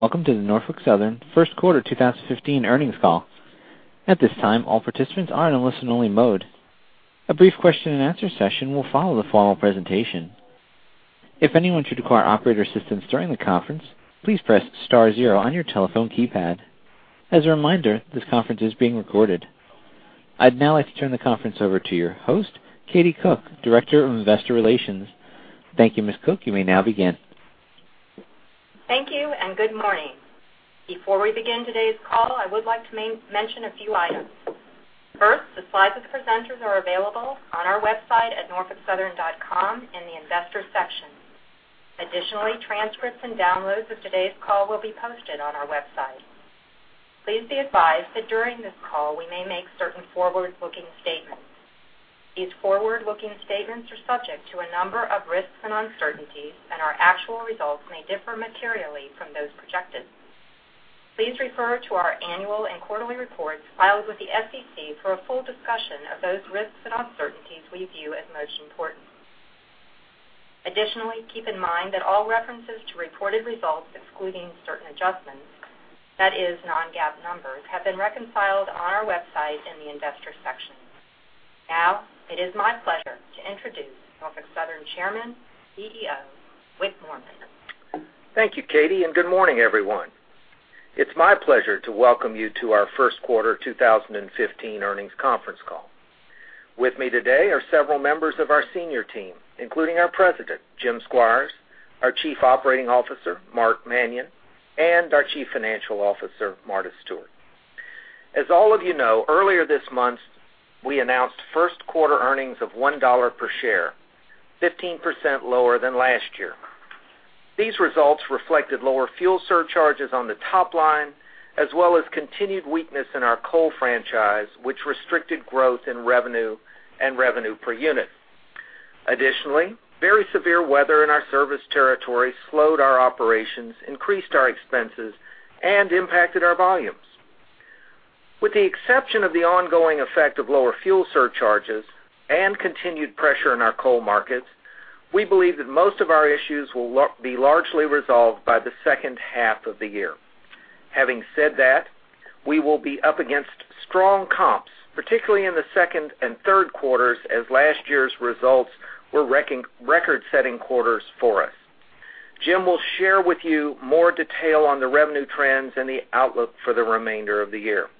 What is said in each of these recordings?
Welcome to the Norfolk Southern first quarter 2015 earnings call. At this time, all participants are in a listen-only mode. A brief question-and-answer session will follow the formal presentation. If anyone should require operator assistance during the conference, please press star zero on your telephone keypad. As a reminder, this conference is being recorded. I would now like to turn the conference over to your host, Katie Cook, Director of Investor Relations. Thank you, Ms. Cook. You may now begin. Thank you. Good morning. Before we begin today's call, I would like to mention a few items. First, the slides of the presenters are available on our website at norfolksouthern.com in the Investors section. Additionally, transcripts and downloads of today's call will be posted on our website. Please be advised that during this call, we may make certain forward-looking statements. These forward-looking statements are subject to a number of risks and uncertainties, and our actual results may differ materially from those projected. Please refer to our annual and quarterly reports filed with the SEC for a full discussion of those risks and uncertainties we view as most important. Additionally, keep in mind that all references to reported results excluding certain adjustments, that is non-GAAP numbers, have been reconciled on our website in the Investors section. It is my pleasure to introduce Norfolk Southern Chairman and CEO, Wick Moorman. Thank you, Katie. Good morning, everyone. It is my pleasure to welcome you to our first quarter 2015 earnings conference call. With me today are several members of our senior team, including our President, Jim Squires, our Chief Operating Officer, Mark Manion, and our Chief Financial Officer, Marta Stewart. As all of you know, earlier this month, we announced first quarter earnings of $1 per share, 15% lower than last year. These results reflected lower fuel surcharges on the top line, as well as continued weakness in our coal franchise, which restricted growth in revenue and revenue per unit. Additionally, very severe weather in our service territory slowed our operations, increased our expenses, and impacted our volumes. With the exception of the ongoing effect of lower fuel surcharges and continued pressure in our coal markets, we believe that most of our issues will be largely resolved by the second half of the year. Having said that, we will be up against strong comps, particularly in the second and third quarters, as last year's results were record-setting quarters for us. Jim will share with you more detail on the revenue trends and the outlook for the remainder of the year.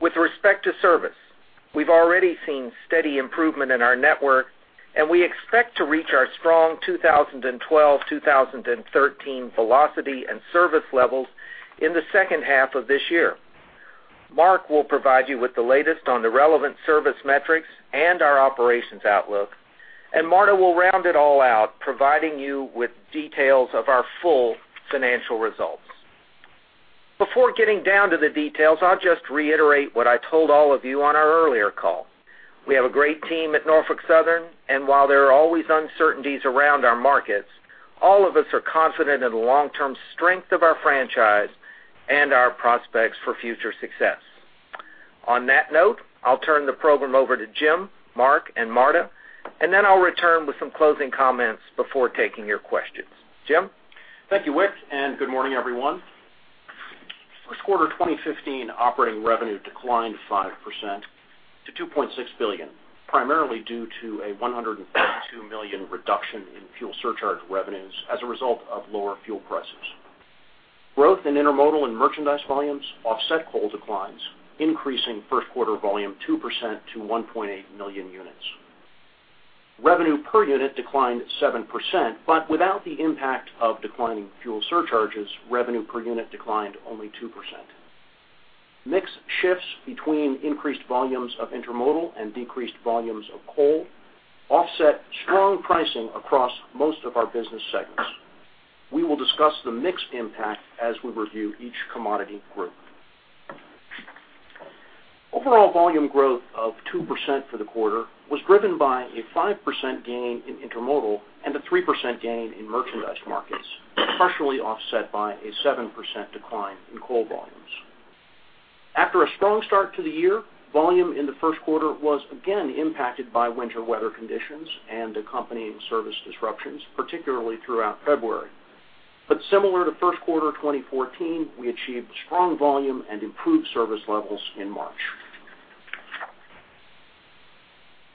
With respect to service, we have already seen steady improvement in our network, and we expect to reach our strong 2012-2013 velocity and service levels in the second half of this year. Mark will provide you with the latest on the relevant service metrics and our operations outlook, and Marta will round it all out, providing you with details of our full financial results. Before getting down to the details, I'll just reiterate what I told all of you on our earlier call. We have a great team at Norfolk Southern, and while there are always uncertainties around our markets, all of us are confident in the long-term strength of our franchise and our prospects for future success. On that note, I'll turn the program over to Jim, Mark, and Marta, then I'll return with some closing comments before taking your questions. Jim? Thank you, Wick, and good morning, everyone. First quarter 2015 operating revenue declined 5% to $2.6 billion, primarily due to a $152 million reduction in fuel surcharge revenues as a result of lower fuel prices. Growth in intermodal and merchandise volumes offset coal declines, increasing first quarter volume 2% to 1.8 million units. Revenue per unit declined 7%, without the impact of declining fuel surcharges, revenue per unit declined only 2%. Mix shifts between increased volumes of intermodal and decreased volumes of coal offset strong pricing across most of our business segments. We will discuss the mix impact as we review each commodity group. Overall volume growth of 2% for the quarter was driven by a 5% gain in intermodal and a 3% gain in merchandise markets, partially offset by a 7% decline in coal volumes. After a strong start to the year, volume in the first quarter was again impacted by winter weather conditions and accompanying service disruptions, particularly throughout February. Similar to first quarter 2014, we achieved strong volume and improved service levels in March.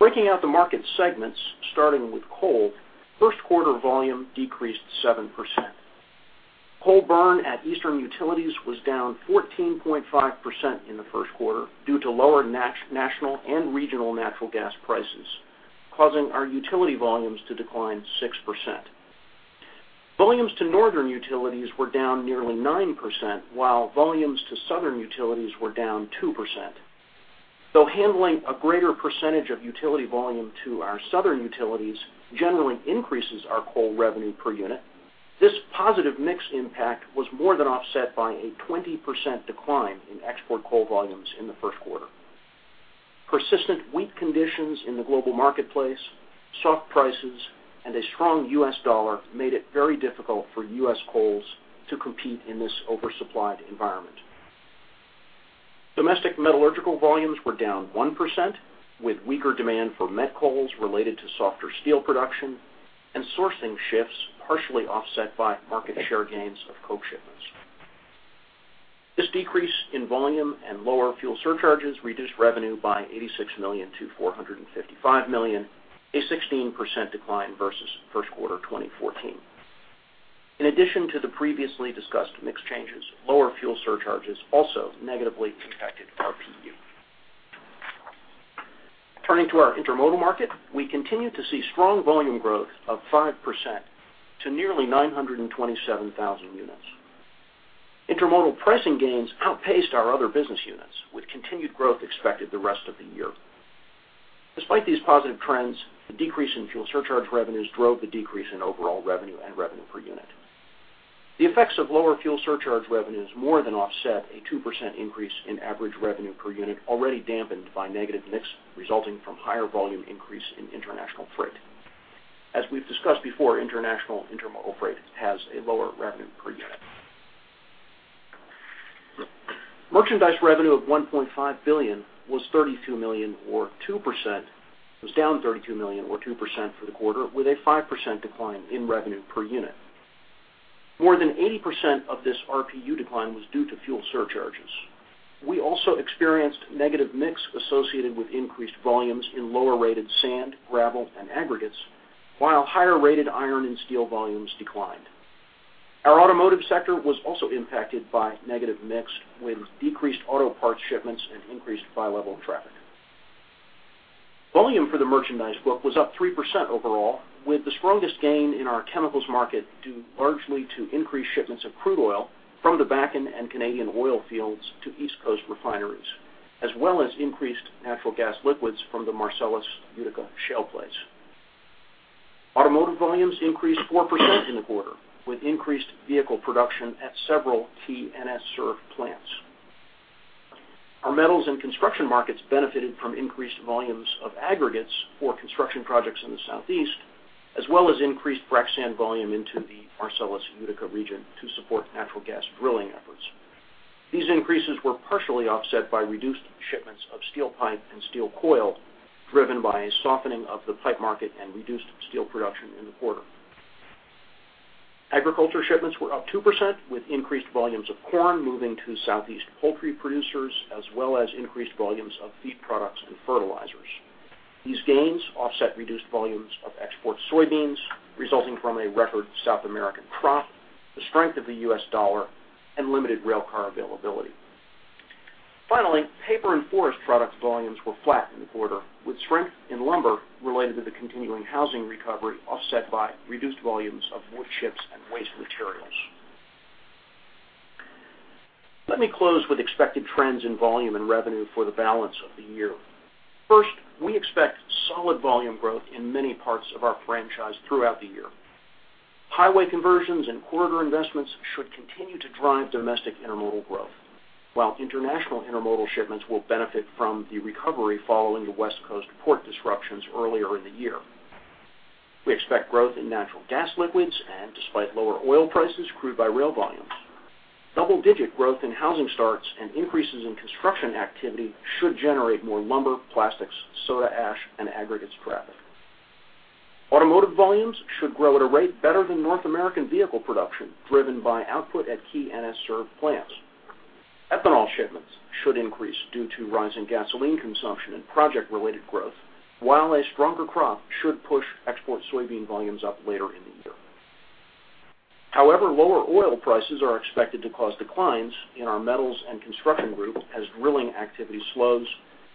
Breaking out the market segments, starting with coal, first quarter volume decreased 7%. Coal burn at eastern utilities was down 14.5% in the first quarter due to lower national and regional natural gas prices, causing our utility volumes to decline 6%. Volumes to northern utilities were down nearly 9%, while volumes to southern utilities were down 2%. Though handling a greater percentage of utility volume to our southern utilities generally increases our coal revenue per unit, this positive mix impact was more than offset by a 20% decline in export coal volumes in the first quarter. Persistent weak conditions in the global marketplace, soft prices, and a strong U.S. dollar made it very difficult for U.S. coals to compete in this oversupplied environment. Domestic metallurgical volumes were down 1%, with weaker demand for met coals related to softer steel production and sourcing shifts partially offset by market share gains of coke shipments. This decrease in volume and lower fuel surcharges reduced revenue by $86 million to $455 million, a 16% decline versus first quarter 2014. In addition to the previously discussed mix changes, lower fuel surcharges also negatively impacted RPU. Turning to our intermodal market, we continue to see strong volume growth of 5% to nearly 927,000 units. Intermodal pricing gains outpaced our other business units, with continued growth expected the rest of the year. Despite these positive trends, a decrease in fuel surcharge revenues drove the decrease in overall revenue and revenue per unit. The effects of lower fuel surcharge revenues more than offset a 2% increase in average revenue per unit, already dampened by negative mix resulting from higher volume increase in international freight. As we've discussed before, international intermodal freight has a lower revenue per unit. Merchandise revenue of $1.5 billion was down $32 million or 2% for the quarter, with a 5% decline in revenue per unit. More than 80% of this RPU decline was due to fuel surcharges. We also experienced negative mix associated with increased volumes in lower-rated sand, gravel, and aggregates, while higher-rated iron and steel volumes declined. Our automotive sector was also impacted by negative mix with decreased auto parts shipments and increased bi-level traffic. Volume for the merchandise book was up 3% overall, with the strongest gain in our chemicals market due largely to increased shipments of crude oil from the Bakken and Canadian oil fields to East Coast refineries, as well as increased natural gas liquids from the Marcellus Utica shale plays. Automotive volumes increased 4% in the quarter, with increased vehicle production at several key NS served plants. Our metals and construction markets benefited from increased volumes of aggregates for construction projects in the Southeast, as well as increased frac sand volume into the Marcellus Utica region to support natural gas drilling efforts. These increases were partially offset by reduced shipments of steel pipe and steel coil, driven by a softening of the pipe market and reduced steel production in the quarter. Agriculture shipments were up 2%, with increased volumes of corn moving to Southeast poultry producers, as well as increased volumes of feed products and fertilizers. These gains offset reduced volumes of export soybeans resulting from a record South American crop, the strength of the U.S. dollar, and limited railcar availability. Paper and forest products volumes were flat in the quarter, with strength in lumber related to the continuing housing recovery offset by reduced volumes of wood chips and waste materials. Let me close with expected trends in volume and revenue for the balance of the year. We expect solid volume growth in many parts of our franchise throughout the year. Highway conversions and corridor investments should continue to drive domestic intermodal growth, while international intermodal shipments will benefit from the recovery following the West Coast port disruptions earlier in the year. We expect growth in natural gas liquids and, despite lower oil prices, crude by rail volumes. Double-digit growth in housing starts and increases in construction activity should generate more lumber, plastics, soda ash, and aggregates traffic. Automotive volumes should grow at a rate better than North American vehicle production, driven by output at key NS served plants. Ethanol shipments should increase due to rising gasoline consumption and project-related growth, while a stronger crop should push export soybean volumes up later in the year. Lower oil prices are expected to cause declines in our metals and construction group as drilling activity slows,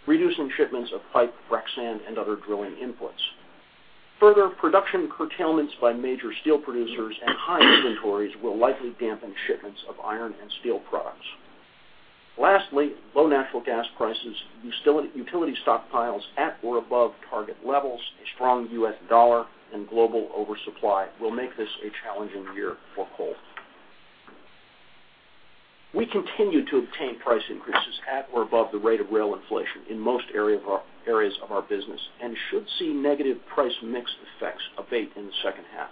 reducing shipments of pipe, frac sand, and other drilling inputs. Production curtailments by major steel producers and high inventories will likely dampen shipments of iron and steel products. Lastly, low natural gas prices, utility stockpiles at or above target levels, a strong US dollar, and global oversupply will make this a challenging year for coal. We continue to obtain price increases at or above the rate of rail inflation in most areas of our business and should see negative price mix effects abate in the second half.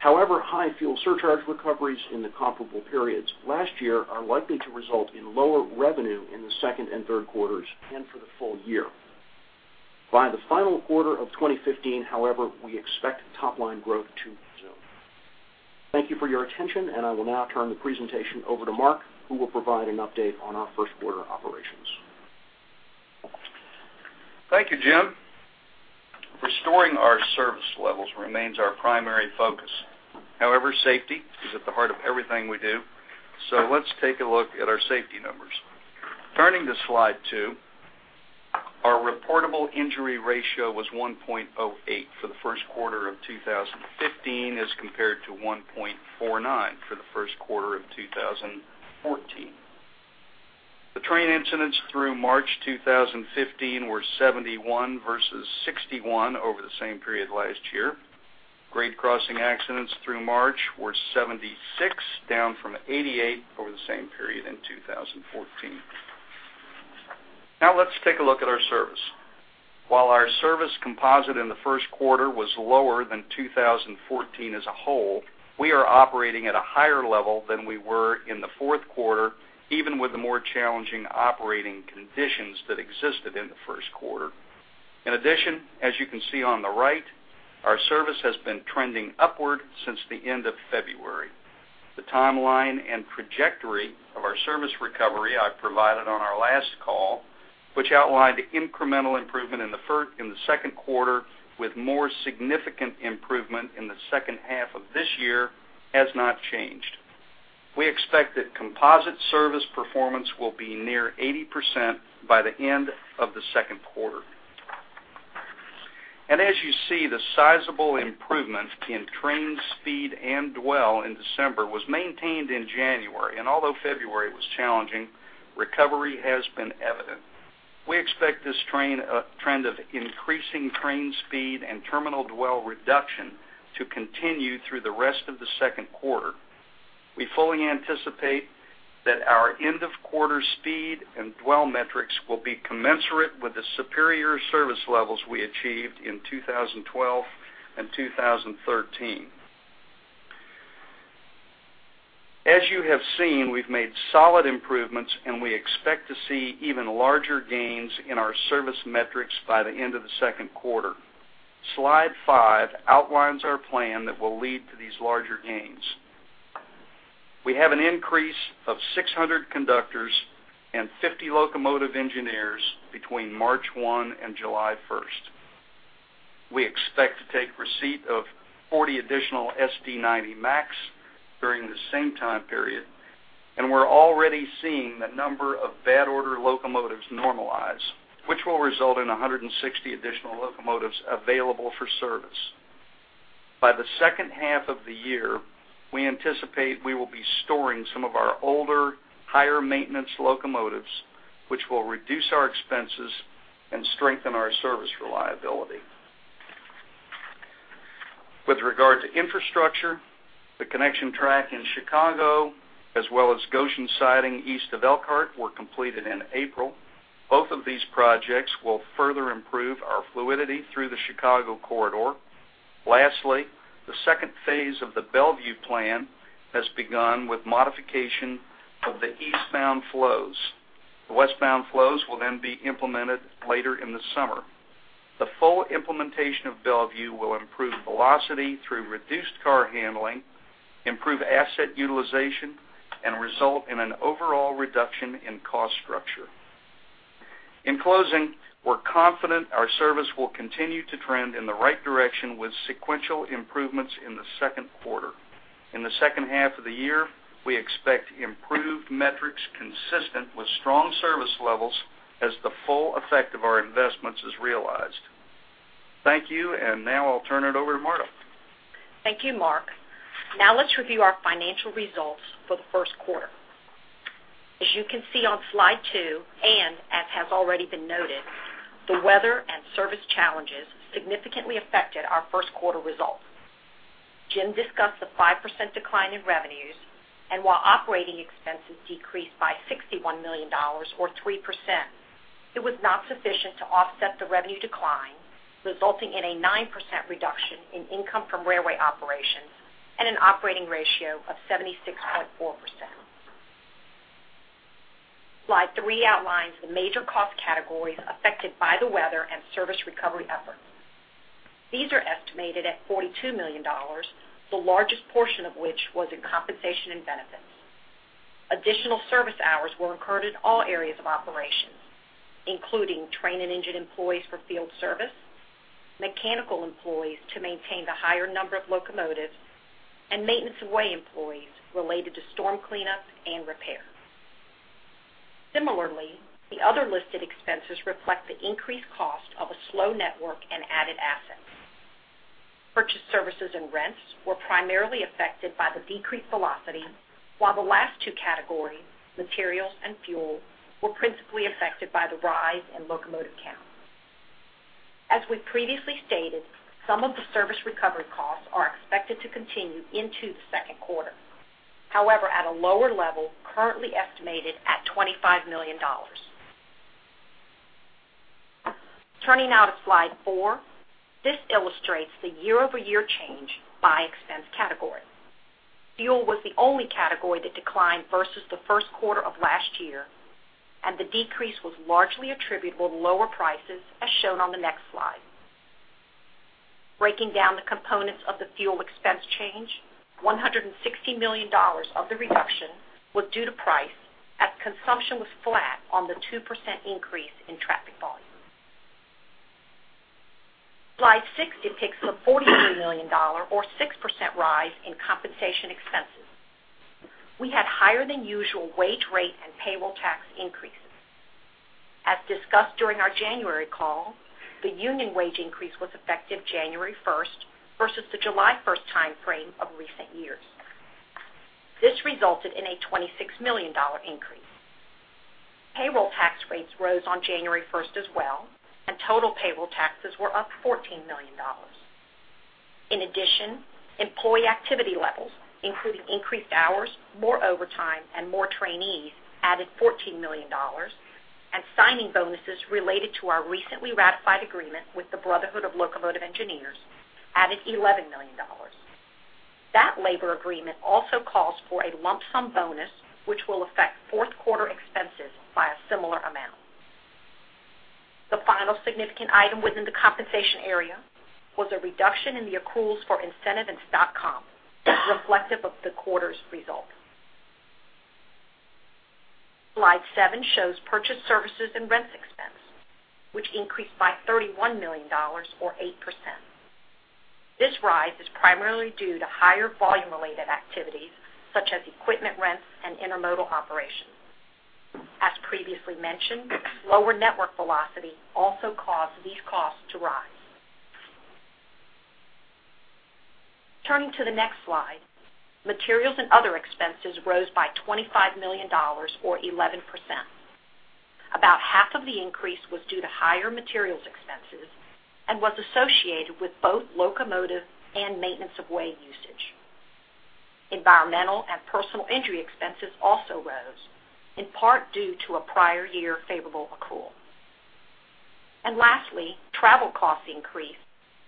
However, high fuel surcharge recoveries in the comparable periods last year are likely to result in lower revenue in the second and third quarters and for the full year. By the final quarter of 2015, however, we expect top-line growth to resume. Thank you for your attention, and I will now turn the presentation over to Mark, who will provide an update on our first quarter operations. Thank you, Jim. Restoring our service levels remains our primary focus. However, safety is at the heart of everything we do. Let's take a look at our safety numbers. Turning to slide two, our reportable injury ratio was 1.08 for the first quarter of 2015 as compared to 1.49 for the first quarter of 2014. The train incidents through March 2015 were 71 versus 61 over the same period last year. Grade crossing accidents through March were 76, down from 88 over the same period in 2014. Now let's take a look at our service. While our service composite in the first quarter was lower than 2014 as a whole, we are operating at a higher level than we were in the fourth quarter, even with the more challenging operating conditions that existed in the first quarter. In addition, as you can see on the right, our service has been trending upward since the end of February. The timeline and trajectory of our service recovery I provided on our last call, which outlined incremental improvement in the second quarter with more significant improvement in the second half of this year, has not changed. We expect that composite service performance will be near 80% by the end of the second quarter. As you see, the sizable improvement in train speed and dwell in December was maintained in January. Although February was challenging, recovery has been evident. We expect this trend of increasing train speed and terminal dwell reduction to continue through the rest of the second quarter. We fully anticipate that our end-of-quarter speed and dwell metrics will be commensurate with the superior service levels we achieved in 2012 and 2013. As you have seen, we've made solid improvements, and we expect to see even larger gains in our service metrics by the end of the second quarter. Slide five outlines our plan that will lead to these larger gains. We have an increase of 600 conductors and 50 locomotive engineers between March 1 and July 1st. We expect to take receipt of 40 additional SD90MACs during the same time period, and we're already seeing the number of bad order locomotives normalize, which will result in 160 additional locomotives available for service. By the second half of the year, we anticipate we will be storing some of our older, higher-maintenance locomotives, which will reduce our expenses and strengthen our service reliability. With regard to infrastructure, the connection track in Chicago, as well as Goshen Siding, east of Elkhart, were completed in April. Both of these projects will further improve our fluidity through the Chicago corridor. Lastly, the phase 2 of the Bellevue plan has begun with modification of the eastbound flows. The westbound flows will then be implemented later in the summer. The full implementation of Bellevue will improve velocity through reduced car handling, improve asset utilization, and result in an an overall reduction in cost structure. In closing, we're confident our service will continue to trend in the right direction with sequential improvements in the second quarter. In the second half of the year, we expect improved metrics consistent with strong service levels as the full effect of our investments is realized. Thank you. Now I'll turn it over to Marta. Thank you, Mark. Now let's review our financial results for the first quarter. As you can see on slide two, as has already been noted, the weather and service challenges significantly affected our first quarter results. Jim discussed the 5% decline in revenues. While operating expenses decreased by $61 million, or 3%, it was not sufficient to offset the revenue decline, resulting in a 9% reduction in income from railway operations and an operating ratio of 76.4%. Slide three outlines the major cost categories affected by the weather and service recovery efforts. These are estimated at $42 million, the largest portion of which was in compensation and benefits. Additional service hours were incurred in all areas of operations, including train and engine employees for field service, mechanical employees to maintain the higher number of locomotives, and maintenance of way employees related to storm cleanup and repair. Similarly, the other listed expenses reflect the increased cost of a slow network and added assets. Purchased services and rents were primarily affected by the decreased velocity, while the last 2 categories, materials and fuel, were principally affected by the rise in locomotive count. As we previously stated, some of the service recovery costs are expected to continue into the second quarter. However, at a lower level, currently estimated at $25 million. Turning now to slide four, this illustrates the year-over-year change by expense category. Fuel was the only category that declined versus the first quarter of last year. The decrease was largely attributable to lower prices, as shown on the next slide. Breaking down the components of the fuel expense change, $160 million of the reduction was due to price, as consumption was flat on the 2% increase in traffic volume. Slide six depicts the $43 million, or 6% rise in compensation expenses. We had higher-than-usual wage rate and payroll tax increases. As discussed during our January call, the union wage increase was effective January 1st versus the July 1st timeframe of recent years. This resulted in a $26 million increase. Total payroll taxes were up $14 million. In addition, employee activity levels, including increased hours, more overtime, and more trainees, added $14 million. Signing bonuses related to our recently ratified agreement with the Brotherhood of Locomotive Engineers added $11 million. That labor agreement also calls for a lump sum bonus, which will affect fourth quarter expenses by a similar amount. The final significant item within the compensation area was a reduction in the accruals for incentive and stock comp reflective of the quarter's result. Slide seven shows purchased services and rents expense, which increased by $31 million or 8%. This rise is primarily due to higher volume related activities such as equipment rents and intermodal operations. As previously mentioned, lower network velocity also caused these costs to rise. Turning to the next slide, materials and other expenses rose by $25 million or 11%. About half of the increase was due to higher materials expenses and was associated with both locomotive and maintenance of way usage. Environmental and personal injury expenses also rose, in part due to a prior year favorable accrual. Lastly, travel costs increased,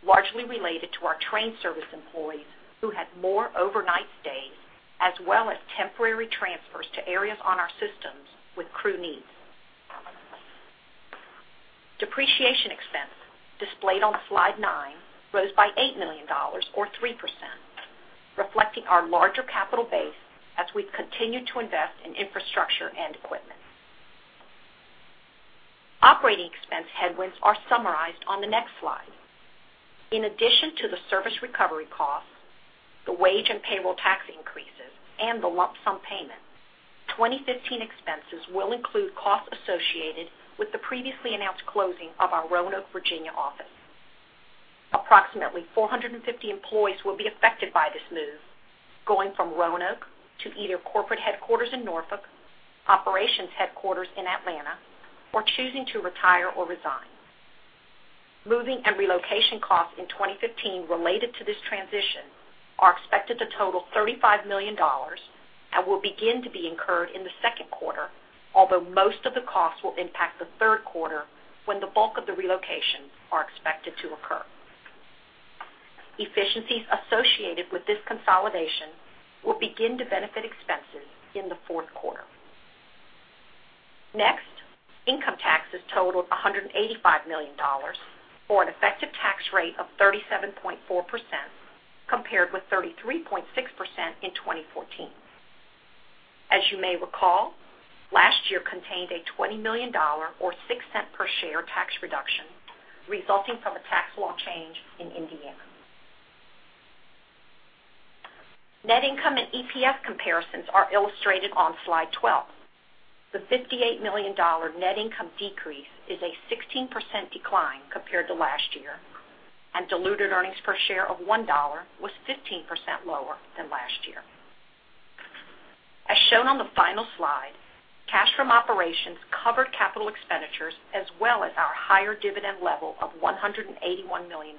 largely related to our train service employees, who had more overnight stays, as well as temporary transfers to areas on our systems with crew needs. Depreciation expense, displayed on slide nine, rose by $8 million or 3%, reflecting our larger capital base as we've continued to invest in infrastructure and equipment. Operating expense headwinds are summarized on the next slide. In addition to the service recovery costs, the wage and payroll tax increases, and the lump sum payments, 2015 expenses will include costs associated with the previously announced closing of our Roanoke, Virginia office. Approximately 450 employees will be affected by this move, going from Roanoke to either corporate headquarters in Norfolk, operations headquarters in Atlanta, or choosing to retire or resign. Moving and relocation costs in 2015 related to this transition are expected to total $35 million and will begin to be incurred in the second quarter, although most of the costs will impact the third quarter when the bulk of the relocations are expected to occur. Efficiencies associated with this consolidation will begin to benefit expenses in the fourth quarter. Income taxes totaled $185 million, or an effective tax rate of 37.4%, compared with 33.6% in 2014. As you may recall, last year contained a $20 million, or $0.06 per share tax reduction, resulting from a tax law change in Indiana. Net income and EPS comparisons are illustrated on slide 12. The $58 million net income decrease is a 16% decline compared to last year, and diluted earnings per share of $1 was 15% lower than last year. As shown on the final slide, cash from operations covered capital expenditures as well as our higher dividend level of $181 million.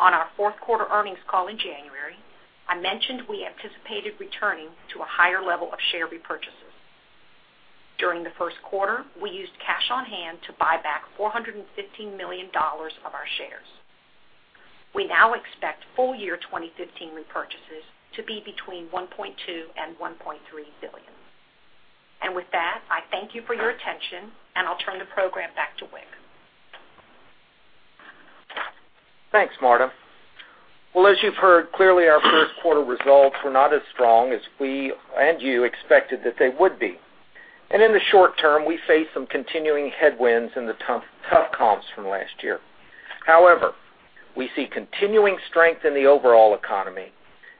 On our fourth quarter earnings call in January, I mentioned we anticipated returning to a higher level of share repurchases. During the first quarter, we used cash on hand to buy back $415 million of our shares. We now expect full year 2015 repurchases to be between $1.2 billion and $1.3 billion. With that, I thank you for your attention, and I'll turn the program back to Wick. Thanks, Marta. Well, as you've heard, clearly our first quarter results were not as strong as we and you expected that they would be. In the short term, we face some continuing headwinds and the tough comps from last year. However, we see continuing strength in the overall economy.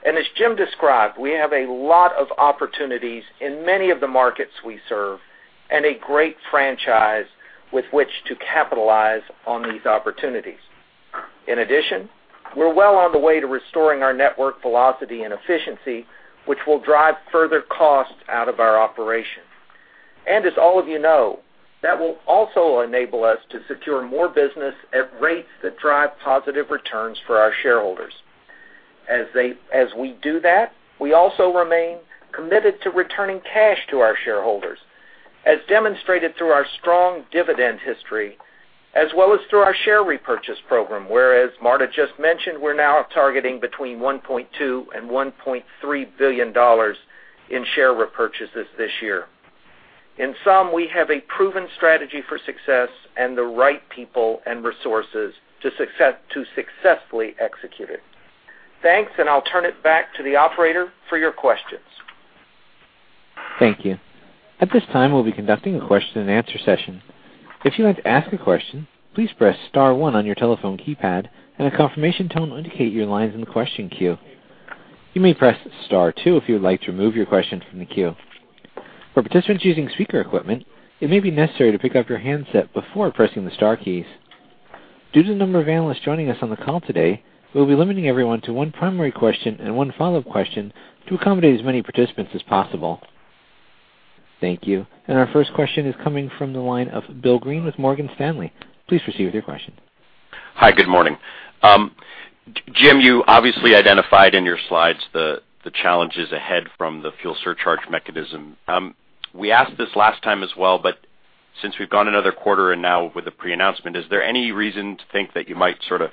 As Jim described, we have a lot of opportunities in many of the markets we serve and a great franchise with which to capitalize on these opportunities. In addition, we're well on the way to restoring our network velocity and efficiency, which will drive further costs out of our operation. As all of you know, that will also enable us to secure more business at rates that drive positive returns for our shareholders. As we do that, we also remain committed to returning cash to our shareholders, as demonstrated through our strong dividend history as well as through our share repurchase program, where, as Marta just mentioned, we're now targeting between $1.2 billion and $1.3 billion in share repurchases this year. In sum, we have a proven strategy for success and the right people and resources to successfully execute it. Thanks, I'll turn it back to the operator for your questions. Thank you. At this time, we'll be conducting a question and answer session. If you'd like to ask a question, please press *1 on your telephone keypad, and a confirmation tone will indicate your line's in the question queue. You may press *2 if you would like to remove your question from the queue. For participants using speaker equipment, it may be necessary to pick up your handset before pressing the star keys. Due to the number of analysts joining us on the call today, we'll be limiting everyone to one primary question and one follow-up question to accommodate as many participants as possible. Thank you. Our first question is coming from the line of William Greene with Morgan Stanley. Please proceed with your question. Hi, good morning. Jim, you obviously identified in your slides the challenges ahead from the fuel surcharge mechanism. We asked this last time as well, but since we've gone another quarter and now with a pre-announcement, is there any reason to think that you might sort of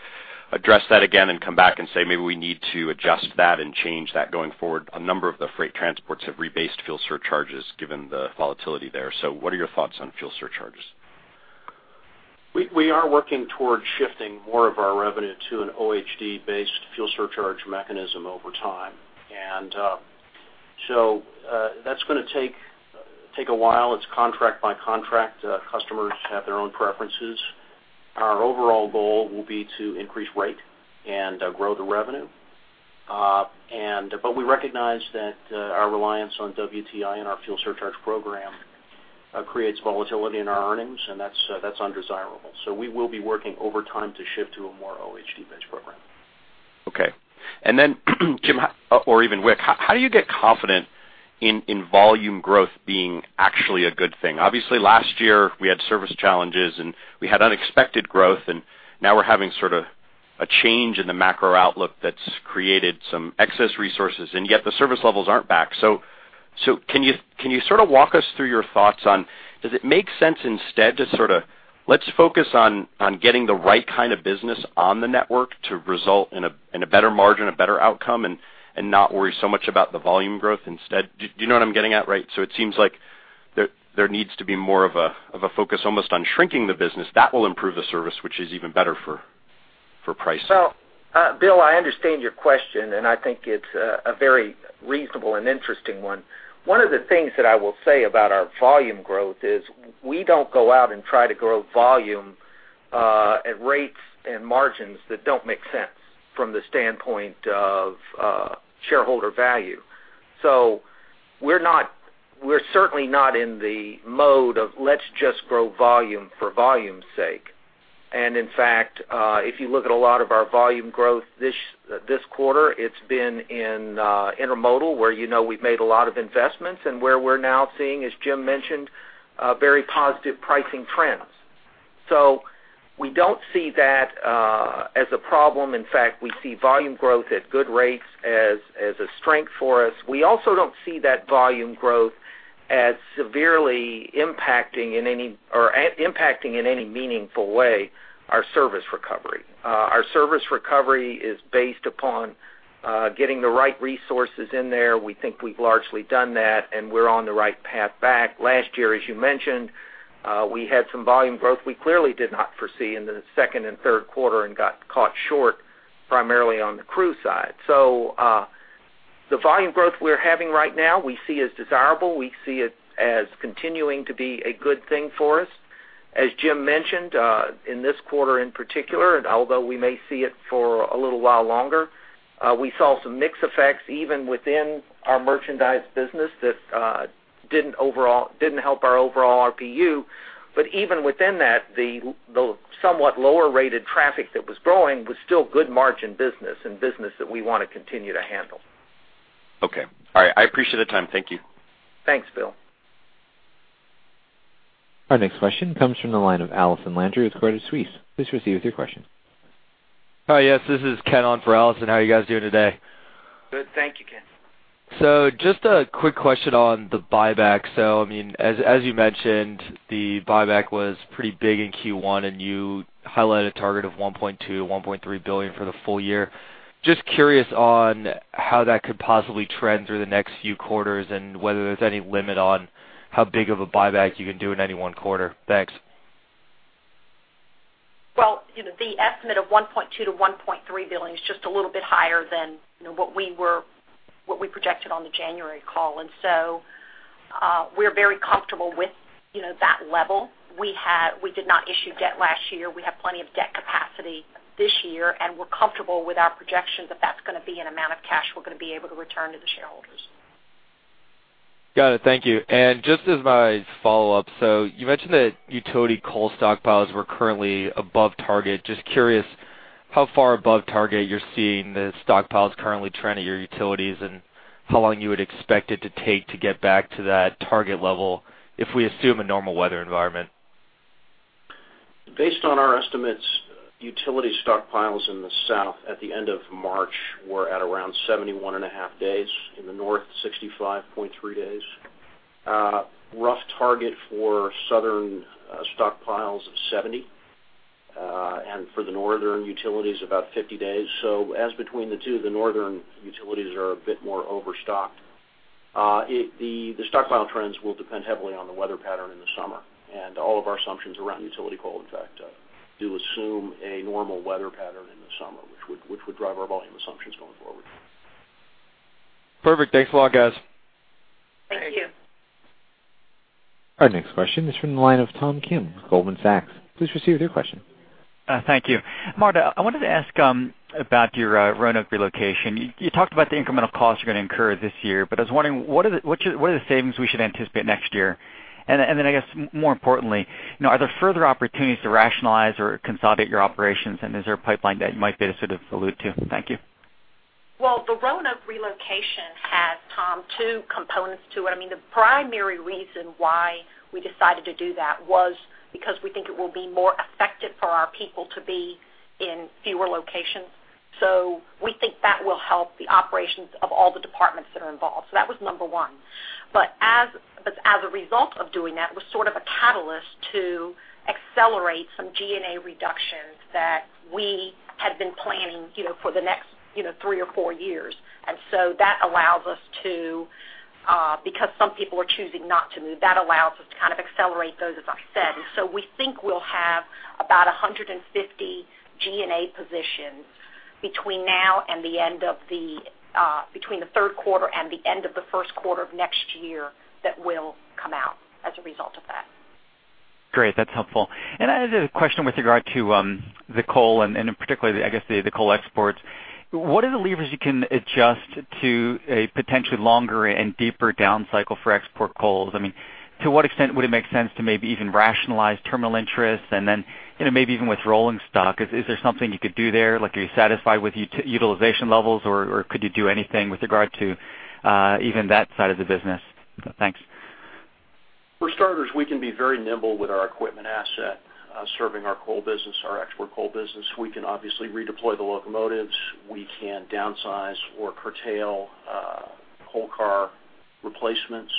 address that again and come back and say maybe we need to adjust that and change that going forward? A number of the freight transports have rebased fuel surcharges given the volatility there. What are your thoughts on fuel surcharges? We are working towards shifting more of our revenue to an OHD-based fuel surcharge mechanism over time. That's going to take a while. It's contract by contract. Customers have their own preferences. Our overall goal will be to increase rate and grow the revenue. We recognize that our reliance on WTI and our fuel surcharge program creates volatility in our earnings, and that's undesirable. We will be working overtime to shift to a more OHD-based program. Okay. Jim, or even Wick, how do you get confident in volume growth being actually a good thing? Obviously, last year we had service challenges and we had unexpected growth, and now we're having sort of a change in the macro outlook that's created some excess resources, and yet the service levels aren't back. Can you sort of walk us through your thoughts on, does it make sense instead to sort of, let's focus on getting the right kind of business on the network to result in a better margin, a better outcome, and not worry so much about the volume growth instead? Do you know what I'm getting at, right? It seems like there needs to be more of a focus almost on shrinking the business. That will improve the service, which is even better for pricing. Well, Bill, I understand your question, and I think it's a very reasonable and interesting one. One of the things that I will say about our volume growth is we don't go out and try to grow volume at rates and margins that don't make sense from the standpoint of shareholder value. We're certainly not in the mode of let's just grow volume for volume's sake. If you look at a lot of our volume growth this quarter, it's been in intermodal where you know we've made a lot of investments and where we're now seeing, as Jim mentioned, very positive pricing trends. We don't see that as a problem. In fact, we see volume growth at good rates as a strength for us. We also don't see that volume growth as severely impacting in any meaningful way our service recovery. Our service recovery is based upon getting the right resources in there. We think we've largely done that and we're on the right path back. Last year, as you mentioned, we had some volume growth we clearly did not foresee in the second and third quarter and got caught short primarily on the crew side. The volume growth we're having right now, we see as desirable. We see it as continuing to be a good thing for us. As Jim mentioned, in this quarter in particular, and although we may see it for a little while longer, we saw some mix effects even within our merchandise business that didn't help our overall RPU. Even within that, the somewhat lower rated traffic that was growing was still good margin business and business that we want to continue to handle. Okay. All right. I appreciate the time. Thank you. Thanks, Bill. Our next question comes from the line of Allison Landry with Credit Suisse. Please proceed with your question. Hi, yes, this is Ken on for Allison. How are you guys doing today? Good, thank you, Ken. Just a quick question on the buyback. As you mentioned, the buyback was pretty big in Q1, you highlighted a target of $1.2 billion-$1.3 billion for the full year. Just curious on how that could possibly trend through the next few quarters, and whether there's any limit on how big of a buyback you can do in any one quarter. Thanks. Well, the estimate of $1.2 billion-$1.3 billion is just a little bit higher than what we projected on the January call. We're very comfortable with that level. We did not issue debt last year. We have plenty of debt capacity this year, and we're comfortable with our projection that that's going to be an amount of cash we're going to be able to return to the shareholders. Got it. Thank you. Just as my follow-up, you mentioned that utility coal stockpiles were currently above target. Just curious how far above target you're seeing the stockpiles currently trend at your utilities and how long you would expect it to take to get back to that target level if we assume a normal weather environment. Based on our estimates, utility stockpiles in the South at the end of March were at around 71.5 days. In the North, 65.3 days. Rough target for southern stockpiles of 70, for the northern utilities, about 50 days. As between the two, the northern utilities are a bit more overstocked. The stockpile trends will depend heavily on the weather pattern in the summer, all of our assumptions around utility coal, in fact, do assume a normal weather pattern in the summer, which would drive our volume assumptions going forward. Perfect. Thanks a lot, guys. Thank you. Our next question is from the line of Tom Kim with Goldman Sachs. Please proceed with your question. Thank you. Marta, I wanted to ask about your Roanoke relocation. You talked about the incremental costs you're going to incur this year. I was wondering, what are the savings we should anticipate next year? I guess more importantly, are there further opportunities to rationalize or consolidate your operations, and is there a pipeline that you might be able to sort of allude to? Thank you. The Roanoke relocation has, Tom, two components to it. The primary reason why we decided to do that was because we think it will be more effective for our people to be in fewer locations. We think that will help the operations of all the departments that are involved. That was number one. As a result of doing that, it was sort of a catalyst to accelerate some G&A reductions that we had been planning for the next three or four years. That allows us to, because some people are choosing not to move, that allows us to kind of accelerate those, as I said. We think we'll have about 150 G&A positions between the third quarter and the end of the first quarter of next year that will come out as a result of that. Great. That's helpful. I had a question with regard to the coal and particularly, I guess, the coal exports. What are the levers you can adjust to a potentially longer and deeper down cycle for export coals? To what extent would it make sense to maybe even rationalize terminal interest and then, maybe even with rolling stock, is there something you could do there? Are you satisfied with utilization levels, or could you do anything with regard to even that side of the business? Thanks. For starters, we can be very nimble with our equipment asset, serving our coal business, our export coal business. We can obviously redeploy the locomotives. We can downsize or curtail coal car replacements.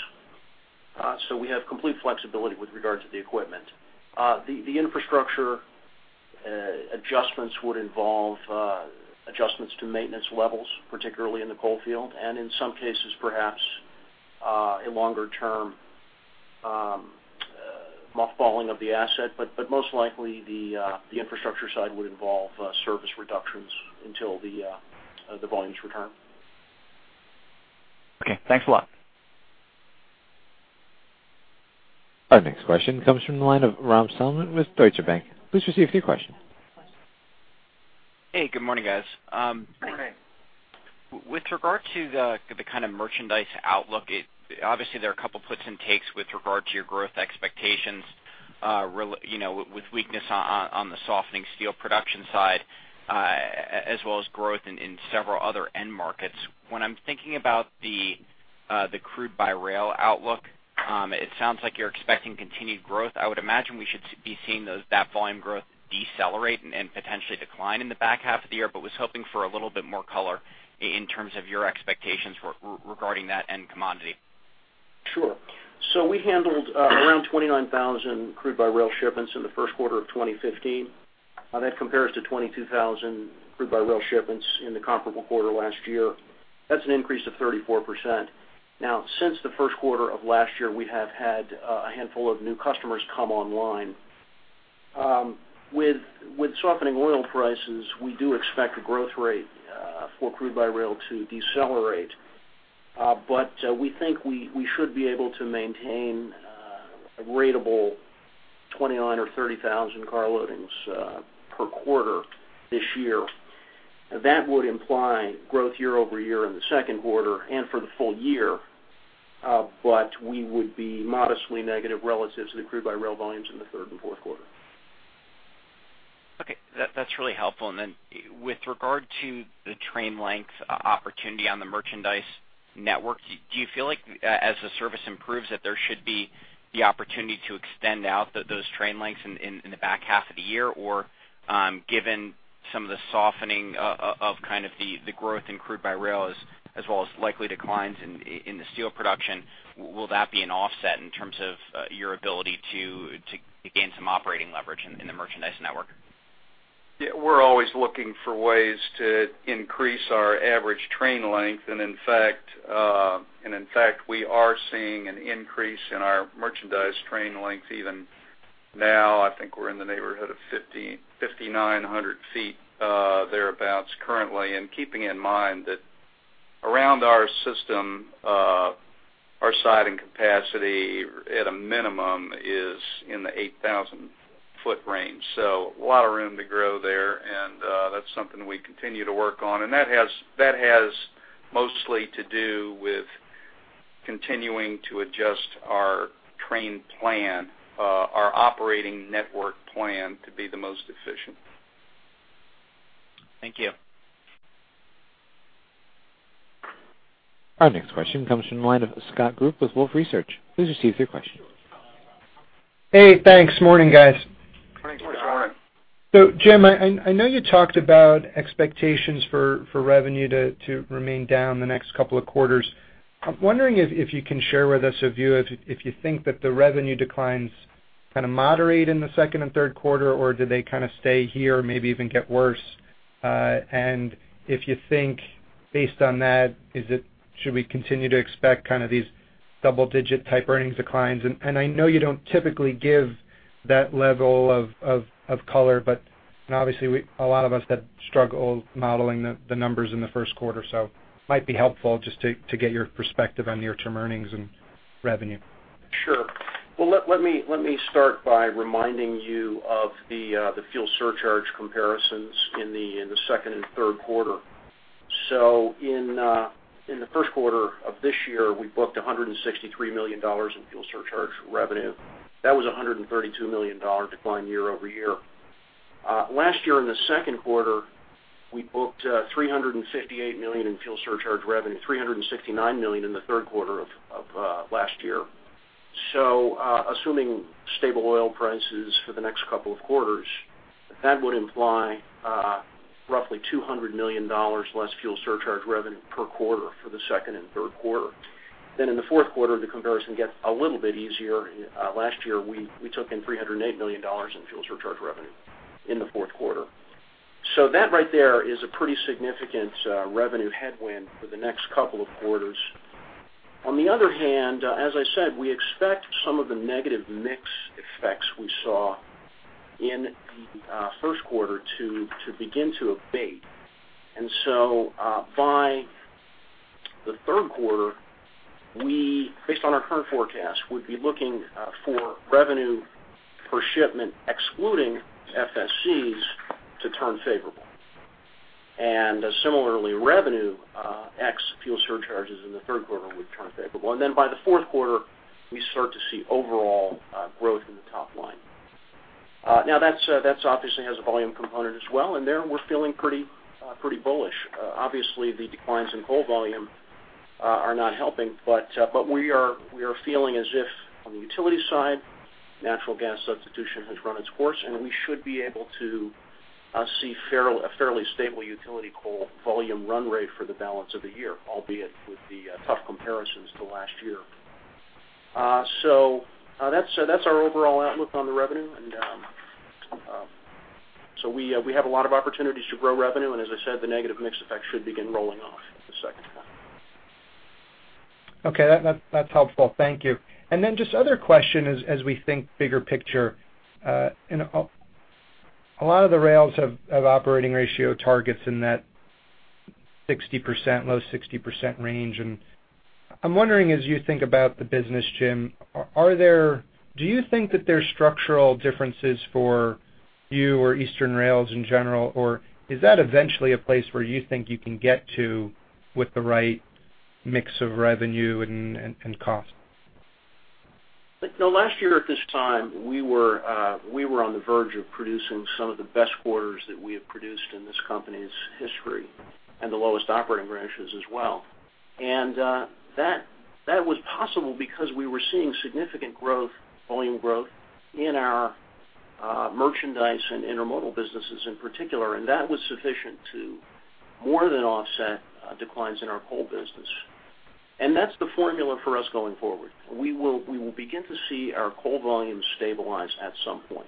We have complete flexibility with regard to the equipment. The infrastructure adjustments would involve adjustments to maintenance levels, particularly in the coal field, and in some cases, perhaps, a longer-term mothballing of the asset. Most likely, the infrastructure side would involve service reductions until the volumes return. Okay, thanks a lot. Our next question comes from the line of Rob Salmon with Deutsche Bank. Please proceed with your question. Hey, good morning, guys. Good morning. With regard to the kind of merchandise outlook, obviously there are a couple of puts and takes with regard to your growth expectations, with weakness on the softening steel production side, as well as growth in several other end markets. When I'm thinking about the crude by rail outlook, it sounds like you're expecting continued growth. I would imagine we should be seeing that volume growth decelerate and potentially decline in the back half of the year, was hoping for a little bit more color in terms of your expectations regarding that end commodity. Sure. We handled around 29,000 crude by rail shipments in the first quarter of 2015. That compares to 22,000 crude by rail shipments in the comparable quarter last year. That's an increase of 34%. Since the first quarter of last year, we have had a handful of new customers come online. With softening oil prices, we do expect a growth rate for crude by rail to decelerate. We think we should be able to maintain a ratable 29 or 30,000 car loadings per quarter this year. That would imply growth year-over-year in the second quarter and for the full year, we would be modestly negative relative to the crude by rail volumes in the third and fourth quarter. Okay. That's really helpful. With regard to the train length opportunity on the merchandise network, do you feel like as the service improves, that there should be the opportunity to extend out those train lengths in the back half of the year? Given some of the softening of kind of the growth in crude by rail, as well as likely declines in the steel production, will that be an offset in terms of your ability to gain some operating leverage in the merchandise network? Yeah, we're always looking for ways to increase our average train length, in fact, we are seeing an increase in our merchandise train length even now. I think we're in the neighborhood of 5,900 feet thereabouts currently, keeping in mind that around our system, our siding capacity at a minimum is in the 8,000-foot range. A lot of room to grow there, that's something we continue to work on. That has mostly to do with continuing to adjust our train plan, our operating network plan to be the most efficient. Thank you. Our next question comes from the line of Scott Group with Wolfe Research. Please proceed with your question. Hey, thanks. Morning, guys. Morning, Scott. Jim, I know you talked about expectations for revenue to remain down the next couple of quarters. I'm wondering if you can share with us a view if you think that the revenue declines kind of moderate in the second and third quarter, or do they kind of stay here, maybe even get worse? If you think, based on that, should we continue to expect kind of these double-digit type earnings declines? I know you don't typically give that level of color, but obviously, a lot of us had struggled modeling the numbers in the first quarter, it might be helpful just to get your perspective on near-term earnings and revenue. Sure. Let me start by reminding you of the fuel surcharge comparisons in the second and third quarter. In the first quarter of this year, we booked $163 million in fuel surcharge revenue. That was a $132 million decline year-over-year. Last year in the second quarter, we booked $358 million in fuel surcharge revenue, $369 million in the third quarter of last year. Assuming stable oil prices for the next couple of quarters, that would imply roughly $200 million less fuel surcharge revenue per quarter for the second and third quarter. In the fourth quarter, the comparison gets a little bit easier. Last year, we took in $308 million in fuel surcharge revenue in the fourth quarter. That right there is a pretty significant revenue headwind for the next couple of quarters. On the other hand, as I said, we expect some of the negative mix effects we saw in the first quarter to begin to abate. By the third quarter, based on our current forecast, we'd be looking for revenue per shipment, excluding FSCs, to turn favorable. Similarly, revenue ex fuel surcharges in the third quarter would turn favorable. By the fourth quarter, we start to see overall growth in the top line. That obviously has a volume component as well, there we're feeling pretty bullish. Obviously, the declines in coal volume are not helping, but we are feeling as if, on the utility side, natural gas substitution has run its course, and we should be able to see a fairly stable utility coal volume run rate for the balance of the year, albeit with the tough comparisons to last year. That's our overall outlook on the revenue. We have a lot of opportunities to grow revenue, and as I said, the negative mix effect should begin rolling off at the second half. Okay, that's helpful. Thank you. Just other question, as we think bigger picture, a lot of the rails have operating ratio targets in that low 60% range. I'm wondering, as you think about the business, Jim, do you think that there's structural differences for you or eastern rails in general? Is that eventually a place where you think you can get to with the right mix of revenue and cost? Last year at this time, we were on the verge of producing some of the best quarters that we have produced in this company's history and the lowest operating ratios as well. That was possible because we were seeing significant volume growth in our merchandise and intermodal businesses in particular, and that was sufficient to more than offset declines in our coal business. That's the formula for us going forward. We will begin to see our coal volumes stabilize at some point.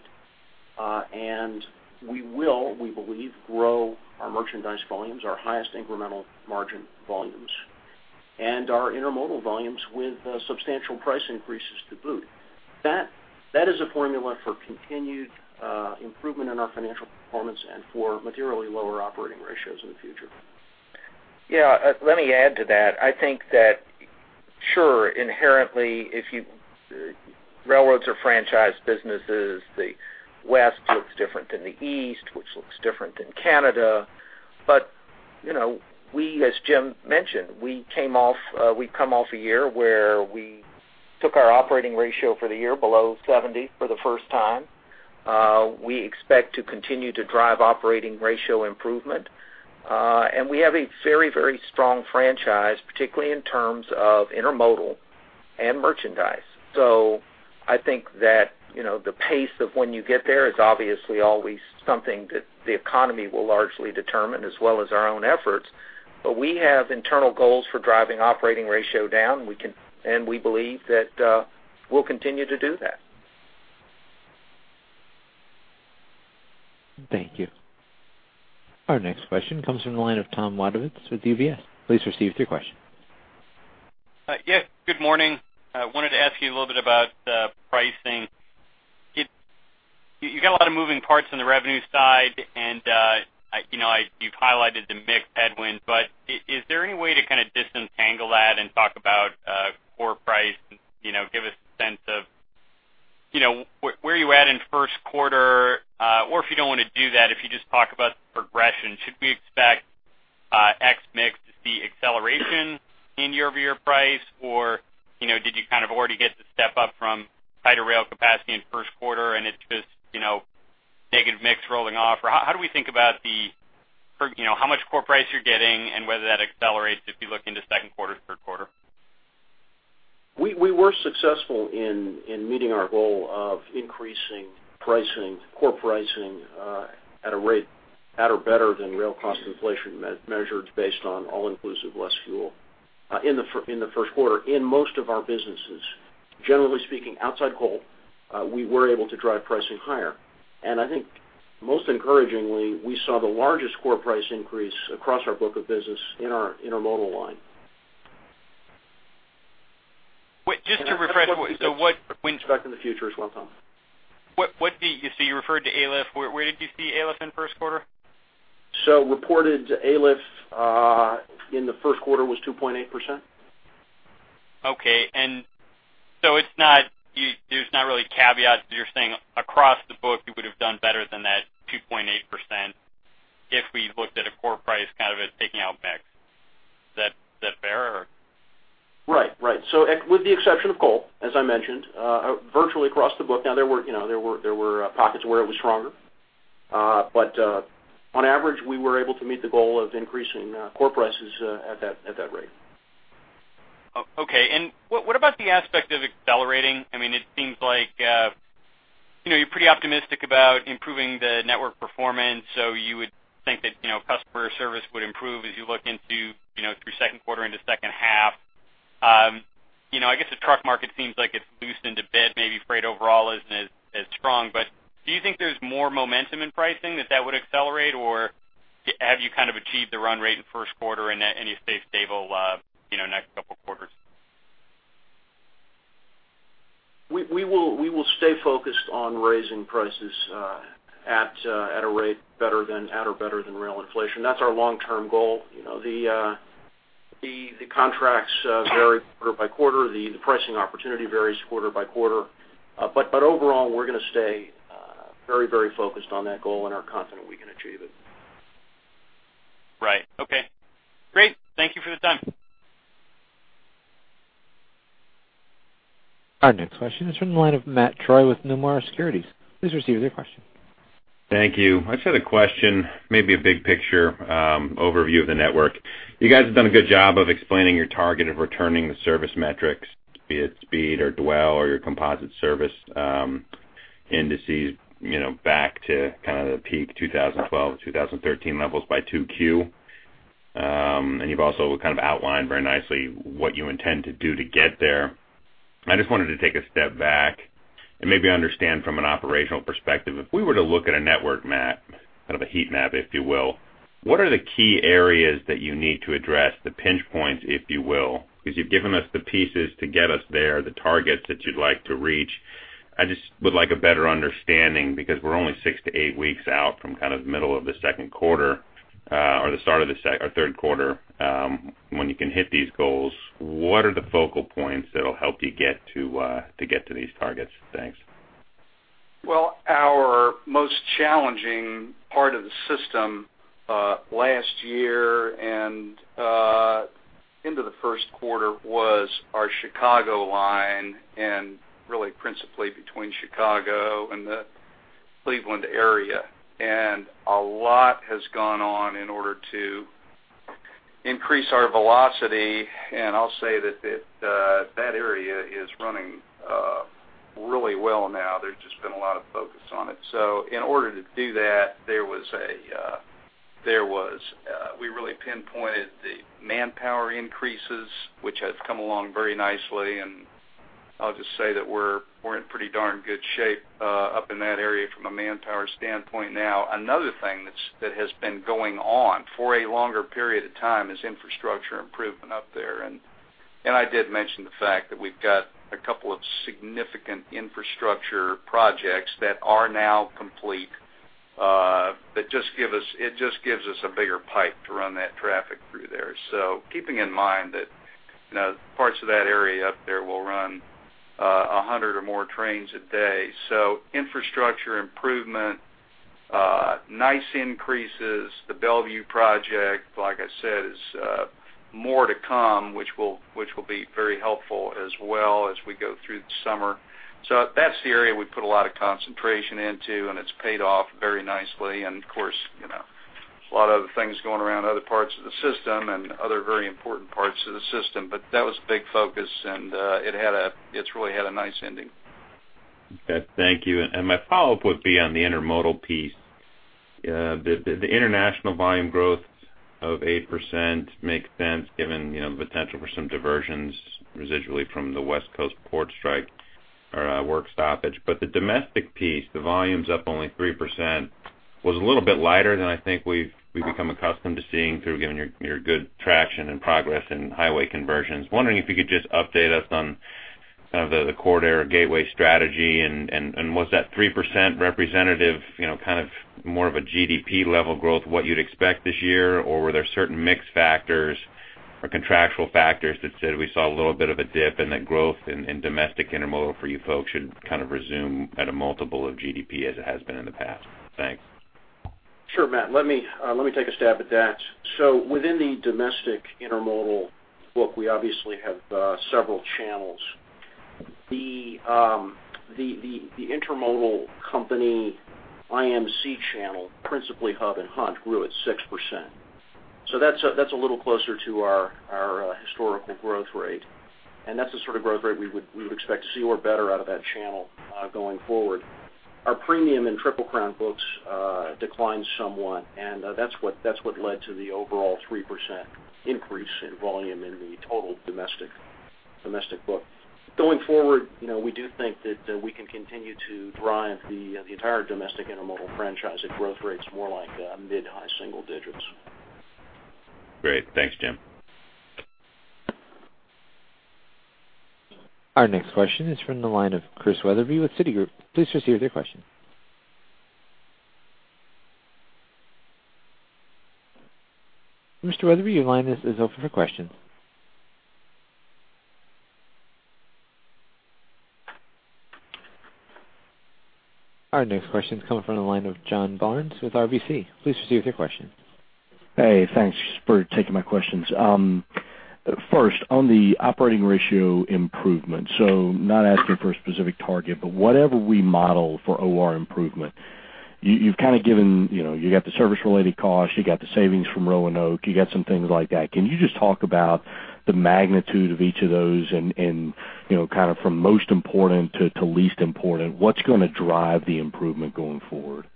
We will, we believe, grow our merchandise volumes, our highest incremental margin volumes, and our intermodal volumes with substantial price increases to boot. That is a formula for continued improvement in our financial performance and for materially lower operating ratios in the future. Yeah. Let me add to that. I think that, sure, inherently, railroads are franchise businesses. The West looks different than the East, which looks different than Canada. As Jim mentioned, we've come off a year where we took our operating ratio for the year below 70 for the first time. We expect to continue to drive operating ratio improvement. We have a very strong franchise, particularly in terms of intermodal and merchandise. I think that the pace of when you get there is obviously always something that the economy will largely determine, as well as our own efforts. We have internal goals for driving operating ratio down, and we believe that we'll continue to do that. Thank you. Our next question comes from the line of Thomas Wadewitz with UBS. Please proceed with your question. Yes, good morning. I wanted to ask you a little bit about pricing. You got a lot of moving parts on the revenue side, and you've highlighted the mix headwind, is there any way to kind of disentangle that and talk about core price and give us a sense of where you at in first quarter? If you don't want to do that, if you just talk about the progression, should we expect X mix to see acceleration in year-over-year price? Did you kind of already get the step up from tighter rail capacity in first quarter and it's just negative mix rolling off? How do we think about how much core price you're getting and whether that accelerates if you look into second quarter, third quarter? We were successful in meeting our goal of increasing core pricing at a rate at or better than rail cost inflation, measured based on all inclusive, less fuel in the first quarter in most of our businesses. Generally speaking, outside coal, we were able to drive pricing higher. I think most encouragingly, we saw the largest core price increase across our book of business in our intermodal line. Just to refresh- That's what we expect in the future as well, Tom. You referred to ALIF. Where did you see ALIF in first quarter? Reported ALIF in the first quarter was 2.8%. Okay. There's not really caveats. You're saying across the book, you would have done better than that 2.8% if we looked at a core price, kind of taking out mix. Right. With the exception of coal, as I mentioned, virtually across the book. There were pockets where it was stronger. On average, we were able to meet the goal of increasing core prices at that rate. Okay. What about the aspect of accelerating? It seems like you're pretty optimistic about improving the network performance, you would think that customer service would improve as you look through second quarter into second half. I guess the truck market seems like it's loose in a bid, maybe freight overall isn't as strong. Do you think there's more momentum in pricing that would accelerate, or have you kind of achieved the run rate in first quarter and you stay stable next couple quarters? We will stay focused on raising prices at a rate at or better than rail inflation. That's our long-term goal. The contracts vary quarter by quarter. The pricing opportunity varies quarter by quarter. Overall, we're going to stay very focused on that goal, and are confident we can achieve it. Right. Okay, great. Thank you for the time. Our next question is from the line of Matthew Troy with Nomura Securities. Please proceed with your question. Thank you. I just had a question, maybe a big picture overview of the network. You guys have done a good job of explaining your target of returning the service metrics, be it speed or dwell or your composite service indices, back to kind of the peak 2012 or 2013 levels by 2Q. You've also kind of outlined very nicely what you intend to do to get there. I just wanted to take a step back and maybe understand from an operational perspective, if we were to look at a network map, kind of a heat map, if you will, what are the key areas that you need to address, the pinch points, if you will? You've given us the pieces to get us there, the targets that you'd like to reach. I just would like a better understanding because we're only six to eight weeks out from kind of the middle of the second quarter or the start of the third quarter when you can hit these goals. What are the focal points that'll help you to get to these targets? Thanks. Well, our most challenging part of the system last year and into the first quarter was our Chicago line, and really principally between Chicago and the Cleveland area. A lot has gone on in order to increase our velocity. I'll say that that area is running really well now. There's just been a lot of focus on it. In order to do that, we really pinpointed the manpower increases, which has come along very nicely. I'll just say that we're in pretty darn good shape up in that area from a manpower standpoint now. Another thing that has been going on for a longer period of time is infrastructure improvement up there. I did mention the fact that we've got a couple of significant infrastructure projects that are now complete, that just gives us a bigger pipe to run that traffic through there. Keeping in mind that parts of that area up there will run 100 or more trains a day. Infrastructure improvement, nice increases. The Bellevue project, like I said, is more to come, which will be very helpful as well as we go through the summer. That's the area we put a lot of concentration into, and it's paid off very nicely. Of course, a lot of other things going around other parts of the system and other very important parts of the system. That was a big focus, and it's really had a nice ending. Okay, thank you. My follow-up would be on the intermodal piece. The international volume growth of 8% makes sense given the potential for some diversions residually from the West Coast port strike or work stoppage. The domestic piece, the volume's up only 3%, was a little bit lighter than I think we've become accustomed to seeing through giving your good traction and progress in highway conversions. Wondering if you could just update us on kind of the corridor gateway strategy, and was that 3% representative kind of more of a GDP level growth, what you'd expect this year? Or were there certain mix factors or contractual factors that said we saw a little bit of a dip and that growth in domestic intermodal for you folks should kind of resume at a multiple of GDP as it has been in the past? Thanks. Sure, Matt, let me take a stab at that. Within the domestic intermodal book, we obviously have several channels. The IMC channel, principally Hub & Hunt, grew at 6%. That's a little closer to our historical growth rate, and that's the sort of growth rate we would expect to see or better out of that channel going forward. Our premium in Triple Crown books declined somewhat, and that's what led to the overall 3% increase in volume in the total domestic book. Going forward, we do think that we can continue to drive the entire domestic intermodal franchise at growth rates more like mid to high single digits. Great. Thanks, Jim. Our next question is from the line of Christian Wetherbee with Citigroup. Please proceed with your question. Mr. Wetherbee, your line is open for questions. Our next question is coming from the line of John Barnes with RBC. Please proceed with your question. Hey, thanks for taking my questions. First, on the operating ratio improvement, so not asking for a specific target, but whatever we model for OR improvement, you've kind of given, you got the service-related costs, you got the savings from Roanoke, you got some things like that. Can you just talk about the magnitude of each of those and kind of from most important to least important, what's going to drive the improvement going forward?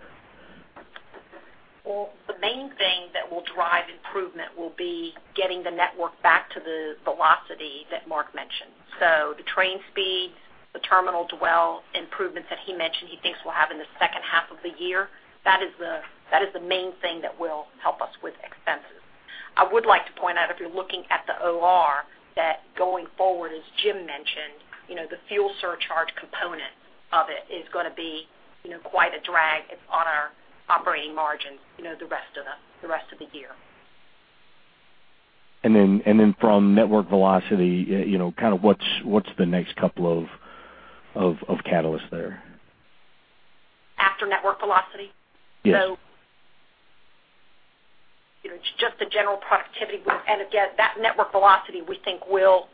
Well, the main thing that will drive improvement will be getting the network back to the velocity that Mark mentioned. The train speeds, the terminal dwell improvements that he mentioned he thinks we'll have in the second half of the year, that is the main thing that will help us with expenses. I would like to point out, if you're looking at the OR, that going forward, as Jim mentioned, the fuel surcharge component of it is going to be quite a drag on our operating margin the rest of the year. From network velocity, what's the next couple of catalysts there? After network velocity? Yes. It's just the general productivity. That network velocity, we think will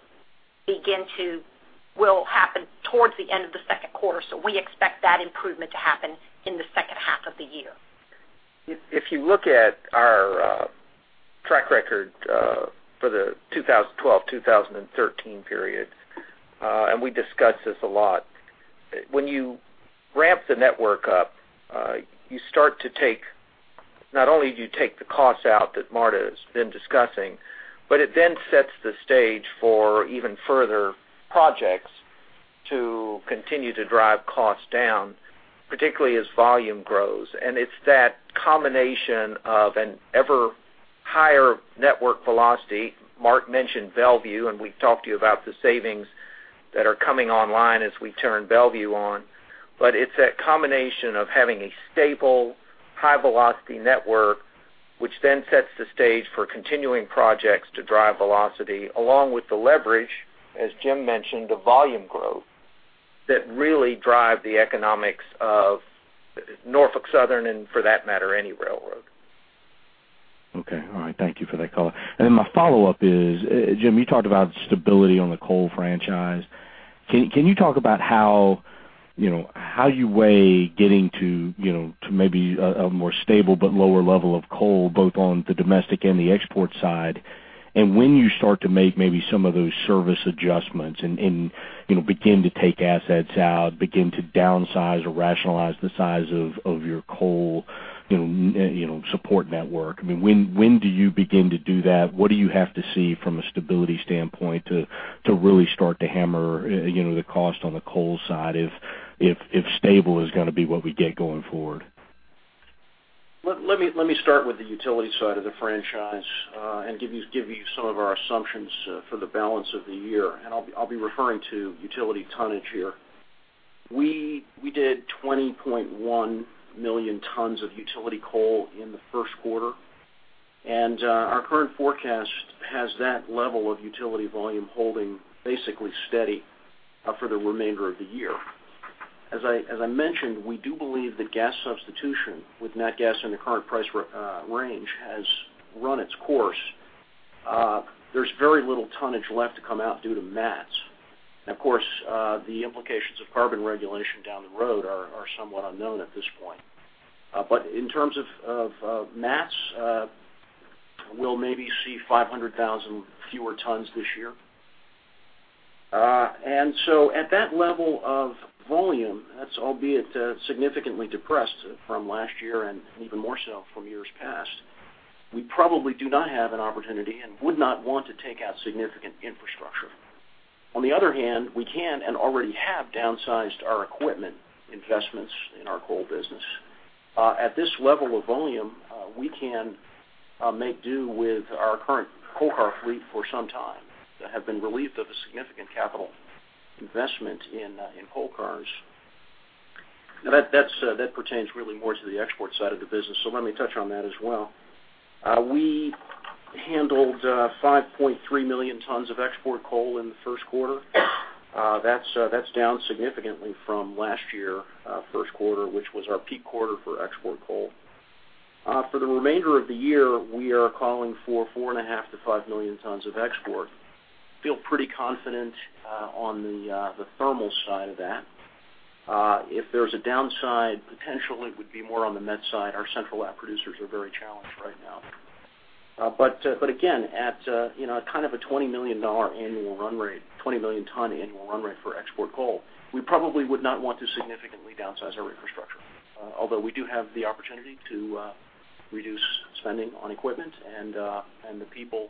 happen towards the end of the second quarter, so we expect that improvement to happen in the second half of the year. If you look at our track record for the 2012-2013 period, and we discussed this a lot, when you ramp the network up, not only do you take the costs out that Marta has been discussing, but it then sets the stage for even further projects to continue to drive costs down, particularly as volume grows. It's that combination of an ever higher network velocity. Mark mentioned Bellevue, and we've talked to you about the savings that are coming online as we turn Bellevue on, but it's that combination of having a stable, high velocity network, which then sets the stage for continuing projects to drive velocity, along with the leverage, as Jim mentioned, the volume growth that really drive the economics of Norfolk Southern and for that matter, any railroad. Okay. All right. Thank you for that color. And then my follow-up is, Jim, you talked about stability on the coal franchise. Can you talk about how you weigh getting to maybe a more stable but lower level of coal, both on the domestic and the export side, and when you start to make maybe some of those service adjustments and begin to take assets out, begin to downsize or rationalize the size of your coal support network. I mean, when do you begin to do that? What do you have to see from a stability standpoint to really start to hammer the cost on the coal side if stable is going to be what we get going forward? Let me start with the utility side of the franchise and give you some of our assumptions for the balance of the year, and I'll be referring to utility tonnage here. We did 20.1 million tons of utility coal in the first quarter, and our current forecast has that level of utility volume holding basically steady for the remainder of the year. As I mentioned, we do believe that gas substitution with nat gas in the current price range has run its course. There's very little tonnage left to come out due to MATS. Of course, the implications of carbon regulation down the road are somewhat unknown at this point. In terms of MATS, we'll maybe see 500,000 fewer tons this year. At that level of volume, that's albeit significantly depressed from last year and even more so from years past, we probably do not have an opportunity and would not want to take out significant infrastructure. On the other hand, we can and already have downsized our equipment investments in our coal business. At this level of volume, we can make do with our current coal car fleet for some time that have been relieved of a significant capital investment in coal cars. That pertains really more to the export side of the business, so let me touch on that as well. We handled 5.3 million tons of export coal in the first quarter. That's down significantly from last year first quarter, which was our peak quarter for export coal. For the remainder of the year, we are calling for 4.5 million-5 million tons of export. Feel pretty confident on the thermal side of that. If there's a downside, potentially it would be more on the met side. Our Central Appalachia producers are very challenged right now. Again, at kind of a $20 million annual run rate, 20 million ton annual run rate for export coal, we probably would not want to significantly downsize our infrastructure, although we do have the opportunity to reduce spending on equipment and the people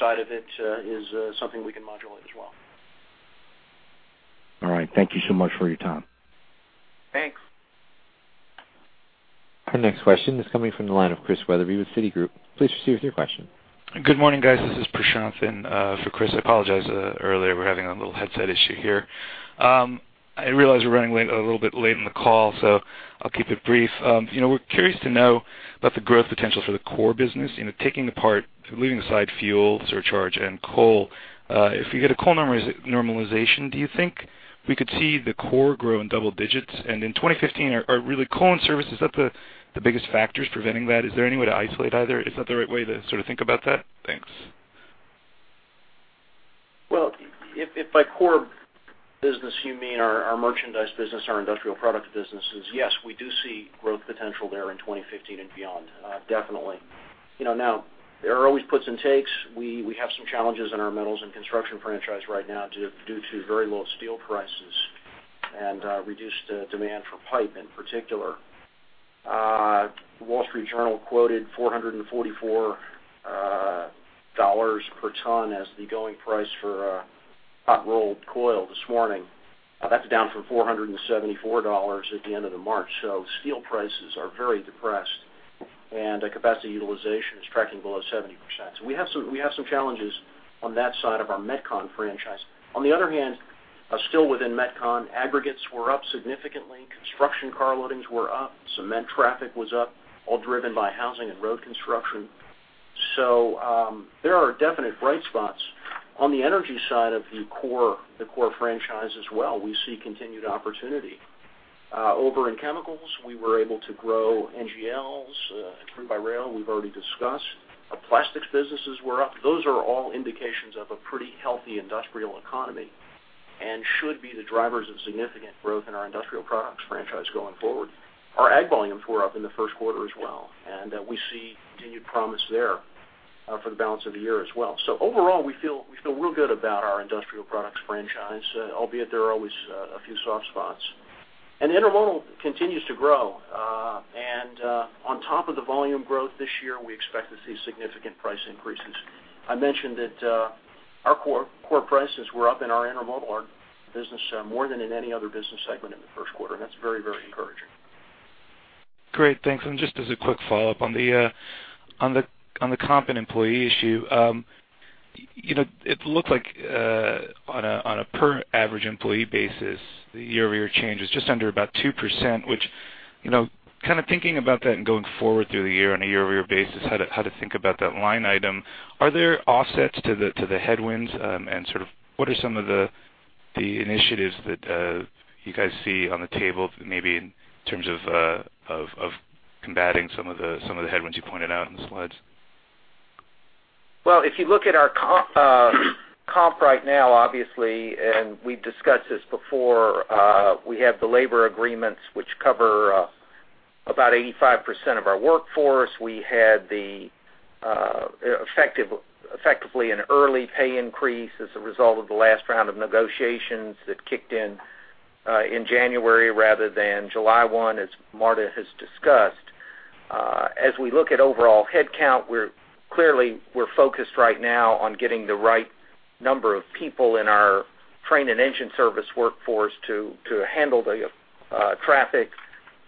side of it is something we can modulate as well. All right. Thank you so much for your time. Thanks. Our next question is coming from the line of Chris Wetherbee with Citigroup. Please proceed with your question. Good morning, guys. This is Prasanth for Chris. I apologize earlier, we were having a little headset issue here. I realize we're running a little bit late on the call. I'll keep it brief. We're curious to know about the growth potential for the core business, taking apart, leaving aside fuel surcharge and coal. If you get a coal normalization, do you think we could see the core grow in double digits? In 2015, are really coal and service, is that the biggest factors preventing that? Is there any way to isolate either? Is that the right way to think about that? Thanks. Well, if by core business you mean our merchandise business, our industrial product businesses, yes, we do see growth potential there in 2015 and beyond, definitely. Now, there are always puts and takes. We have some challenges in our metals and construction franchise right now due to very low steel prices and reduced demand for pipe, in particular. The Wall Street Journal quoted $444 per ton as the going price for hot-rolled coil this morning. That's down from $474 at the end of March. Steel prices are very depressed, and capacity utilization is tracking below 70%. We have some challenges on that side of our metcon franchise. On the other hand, still within metcon, aggregates were up significantly. Construction car loadings were up, cement traffic was up, all driven by housing and road construction. There are definite bright spots. On the energy side of the core franchise as well, we see continued opportunity. Over in chemicals, we were able to grow NGLs through by rail, we've already discussed. Our plastics businesses were up. Those are all indications of a pretty healthy industrial economy and should be the drivers of significant growth in our industrial products franchise going forward. Our ag volumes were up in the first quarter as well, and we see continued promise there for the balance of the year as well. Overall, we feel real good about our industrial products franchise, albeit there are always a few soft spots. Intermodal continues to grow. On top of the volume growth this year, we expect to see significant price increases. I mentioned that our core prices were up in our intermodal business more than in any other business segment in the first quarter, and that's very encouraging. Great, thanks. Just as a quick follow-up on the comp and employee issue. It looked like on a per average employee basis, the year-over-year change is just under about 2%, which, kind of thinking about that and going forward through the year on a year-over-year basis, how to think about that line item. Are there offsets to the headwinds? What are some of the initiatives that you guys see on the table, maybe in terms of combating some of the headwinds you pointed out in the slides? Well, if you look at our comp right now, obviously, we've discussed this before, we have the labor agreements which cover about 85% of our workforce. We had effectively an early pay increase as a result of the last round of negotiations that kicked in in January rather than July 1, as Marta has discussed. As we look at overall headcount, clearly we're focused right now on getting the right number of people in our train and engine service workforce to handle the traffic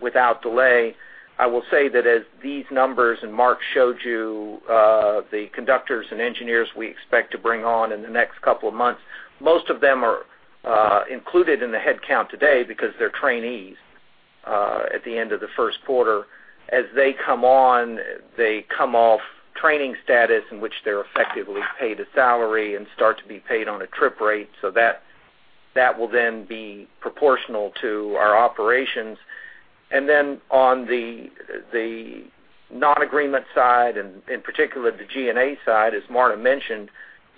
without delay. I will say that as these numbers, Mark showed you the conductors and engineers we expect to bring on in the next couple of months, most of them are included in the headcount today because they're trainees at the end of the first quarter. As they come on, they come off training status in which they're effectively paid a salary and start to be paid on a trip rate. That will then be proportional to our operations. Then on the non-agreement side, and in particular, the G&A side, as Marta mentioned,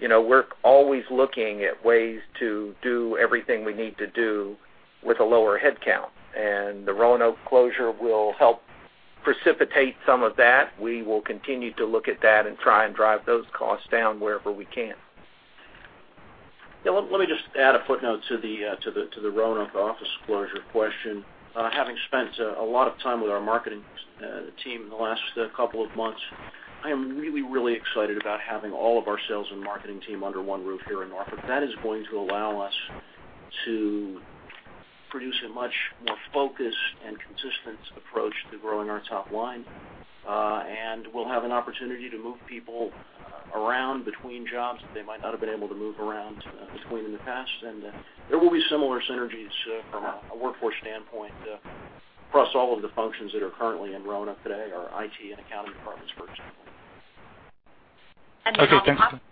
we're always looking at ways to do everything we need to do with a lower headcount. The Roanoke closure will help precipitate some of that. We will continue to look at that and try and drive those costs down wherever we can. Yeah, let me just add a footnote to the Roanoke office closure question. Having spent a lot of time with our marketing team in the last couple of months, I am really excited about having all of our sales and marketing team under one roof here in Norfolk. That is going to allow us to produce a much more focused and consistent approach to growing our top line. We'll have an opportunity to move people around between jobs that they might not have been able to move around between in the past. There will be similar synergies from a workforce standpoint across all of the functions that are currently in Roanoke today, our IT and accounting departments, for example. Okay, thanks.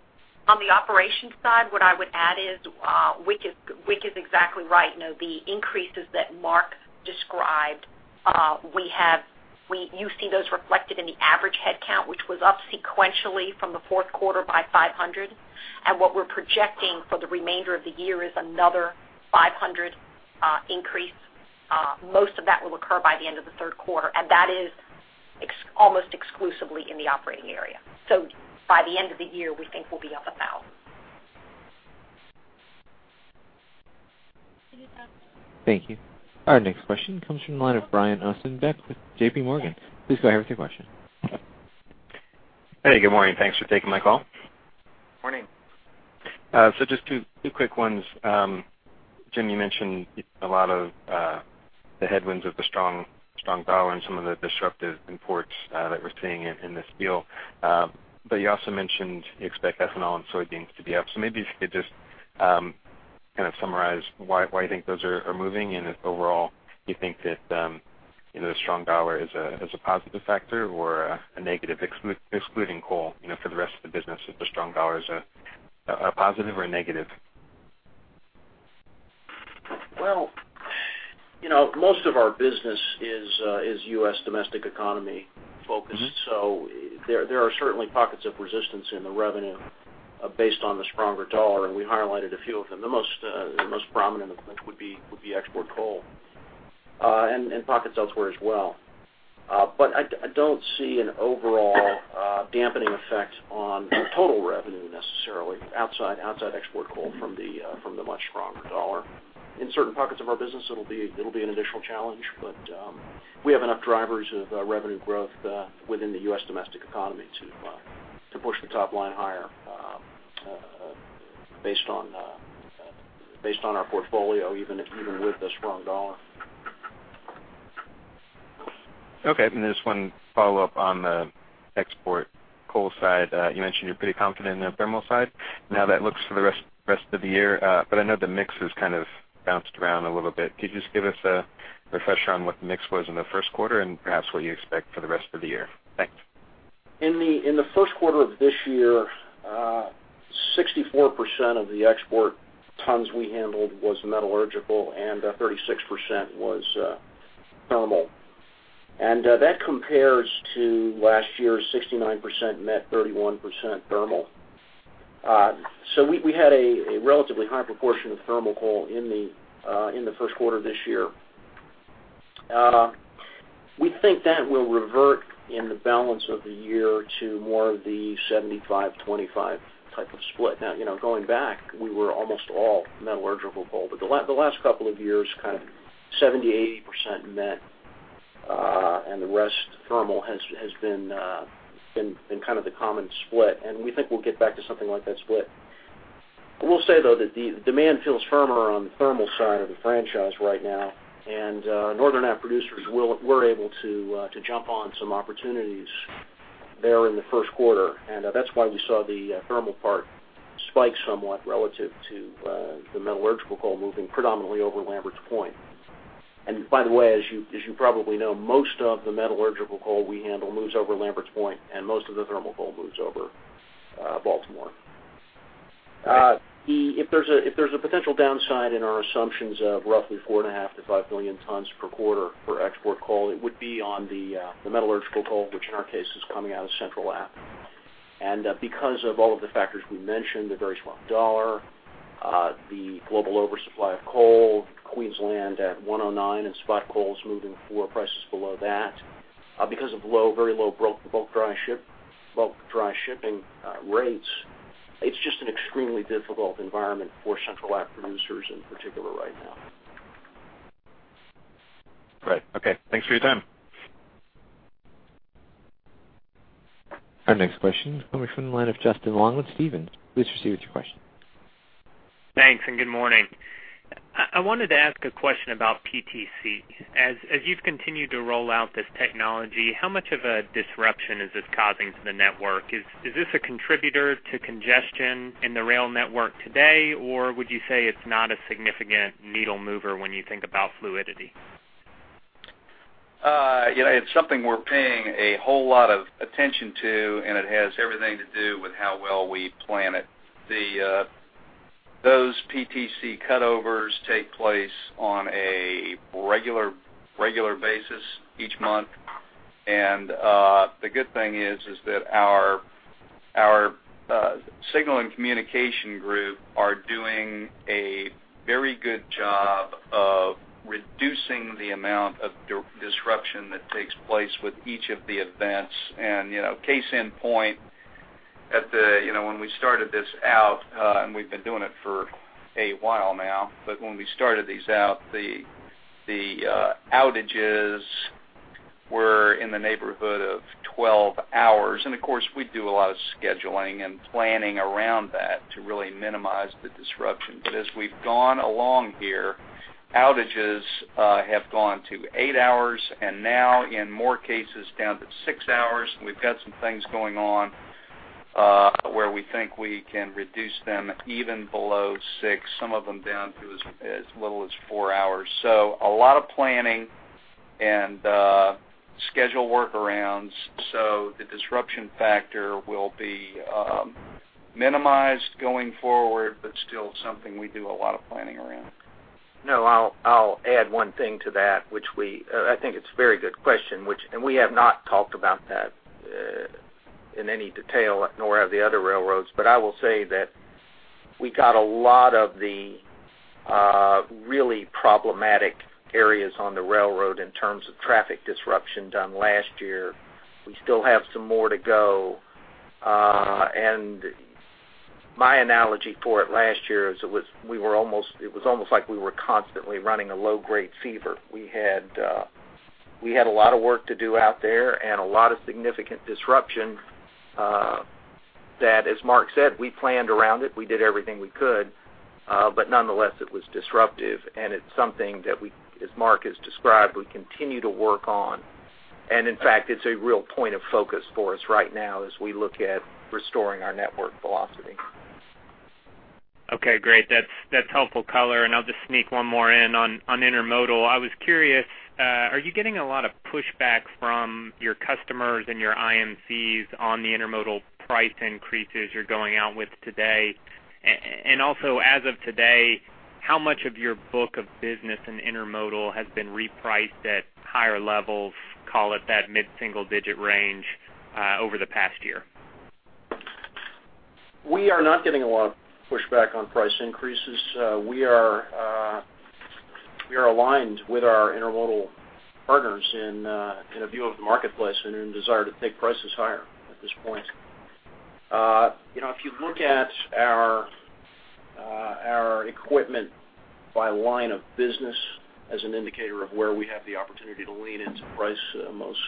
On the operations side, what I would add is, Wick is exactly right. The increases that Mark described, you see those reflected in the average headcount, which was up sequentially from the fourth quarter by 500. What we're projecting for the remainder of the year is another 500 increase. Most of that will occur by the end of the third quarter, that is almost exclusively in the operating area. By the end of the year, we think we'll be up 1,000. Thank you. Our next question comes from the line of Brian Ossenbeck with J.P. Morgan. Please go ahead with your question. Hey, good morning. Thanks for taking my call. Morning. Just two quick ones. Jim, you mentioned a lot of the headwinds of the strong dollar and some of the disruptive imports that we're seeing in the steel. You also mentioned you expect ethanol and soybeans to be up. Maybe if you could just summarize why you think those are moving, and if overall you think that the strong dollar is a positive factor or a negative, excluding coal, for the rest of the business, if the strong dollar is a positive or a negative. Well, most of our business is U.S. domestic economy focused. There are certainly pockets of resistance in the revenue based on the stronger dollar, and we highlighted a few of them. The most prominent of which would be export coal, and pockets elsewhere as well. I don't see an overall dampening effect on total revenue necessarily, outside export coal from the much stronger dollar. In certain pockets of our business, it'll be an additional challenge, we have enough drivers of revenue growth within the U.S. domestic economy to push the top line higher based on our portfolio, even with the strong dollar. Okay. Just one follow-up on the export coal side. You mentioned you're pretty confident in the thermal side and how that looks for the rest of the year. I know the mix has kind of bounced around a little bit. Could you just give us a refresher on what the mix was in the first quarter and perhaps what you expect for the rest of the year? Thanks. In the first quarter of this year, 64% of the export tons we handled was metallurgical, and 36% was thermal. That compares to last year's 69% met 31% thermal. We had a relatively high proportion of thermal coal in the first quarter of this year. We think that will revert in the balance of the year to more of the 75/25 type of split. Going back, we were almost all metallurgical coal, but the last couple of years, kind of 70, 80% met, and the rest thermal has been kind of the common split, and we think we'll get back to something like that split. I will say, though, that the demand feels firmer on the thermal side of the franchise right now, and Northern App producers were able to jump on some opportunities there in the first quarter. That's why we saw the thermal part spike somewhat relative to the metallurgical coal moving predominantly over Lamberts Point. By the way, as you probably know, most of the metallurgical coal we handle moves over Lamberts Point, and most of the thermal coal moves over Baltimore. If there's a potential downside in our assumptions of roughly four and a half to five million tons per quarter for export coal, it would be on the metallurgical coal, which in our case is coming out of Central Appalachia. Because of all of the factors we mentioned, the very strong dollar, the global oversupply of coal, Queensland at 109, and spot coal is moving forward, prices below that because of very low bulk dry shipping rates. It's just an extremely difficult environment for Central Appalachia producers in particular right now. Right. Okay. Thanks for your time. Our next question is coming from the line of Justin Long with Stephens. Please proceed with your question. Thanks. Good morning. I wanted to ask a question about PTC. As you've continued to roll out this technology, how much of a disruption is this causing to the network? Is this a contributor to congestion in the rail network today, or would you say it's not a significant needle mover when you think about fluidity? It's something we're paying a whole lot of attention to. It has everything to do with how well we plan it. Those PTC cutovers take place on a regular basis each month. The good thing is that our signal and communication group are doing a very good job of reducing the amount of disruption that takes place with each of the events. Case in point, when we started this out, and we've been doing it for a while now, but when we started these out, the outages were in the neighborhood of 12 hours. Of course, we do a lot of scheduling and planning around that to really minimize the disruption. As we've gone along here, outages have gone to eight hours and now in more cases, down to six hours. We've got some things going on where we think we can reduce them even below six, some of them down to as little as four hours. A lot of planning and schedule workarounds. The disruption factor will be minimized going forward, but still something we do a lot of planning around. No, I'll add one thing to that, I think it's a very good question. We have not talked about that in any detail, nor have the other railroads. I will say that we got a lot of the really problematic areas on the railroad in terms of traffic disruption done last year. We still have some more to go. My analogy for it last year is it was almost like we were constantly running a low-grade fever. We had a lot of work to do out there and a lot of significant disruption that, as Mark said, we planned around it. We did everything we could, but nonetheless, it was disruptive, and it's something that, as Mark has described, we continue to work on. In fact, it's a real point of focus for us right now as we look at restoring our network velocity. Okay, great. That's helpful color. I'll just sneak one more in on intermodal. I was curious, are you getting a lot of pushback from your customers and your IMCs on the intermodal price increases you're going out with today? As of today, how much of your book of business in intermodal has been repriced at higher levels, call it that mid-single-digit range, over the past year? We are not getting a lot of pushback on price increases. We are aligned with our intermodal partners in a view of the marketplace and in desire to take prices higher at this point. If you look at our equipment by line of business as an indicator of where we have the opportunity to lean in to price the most,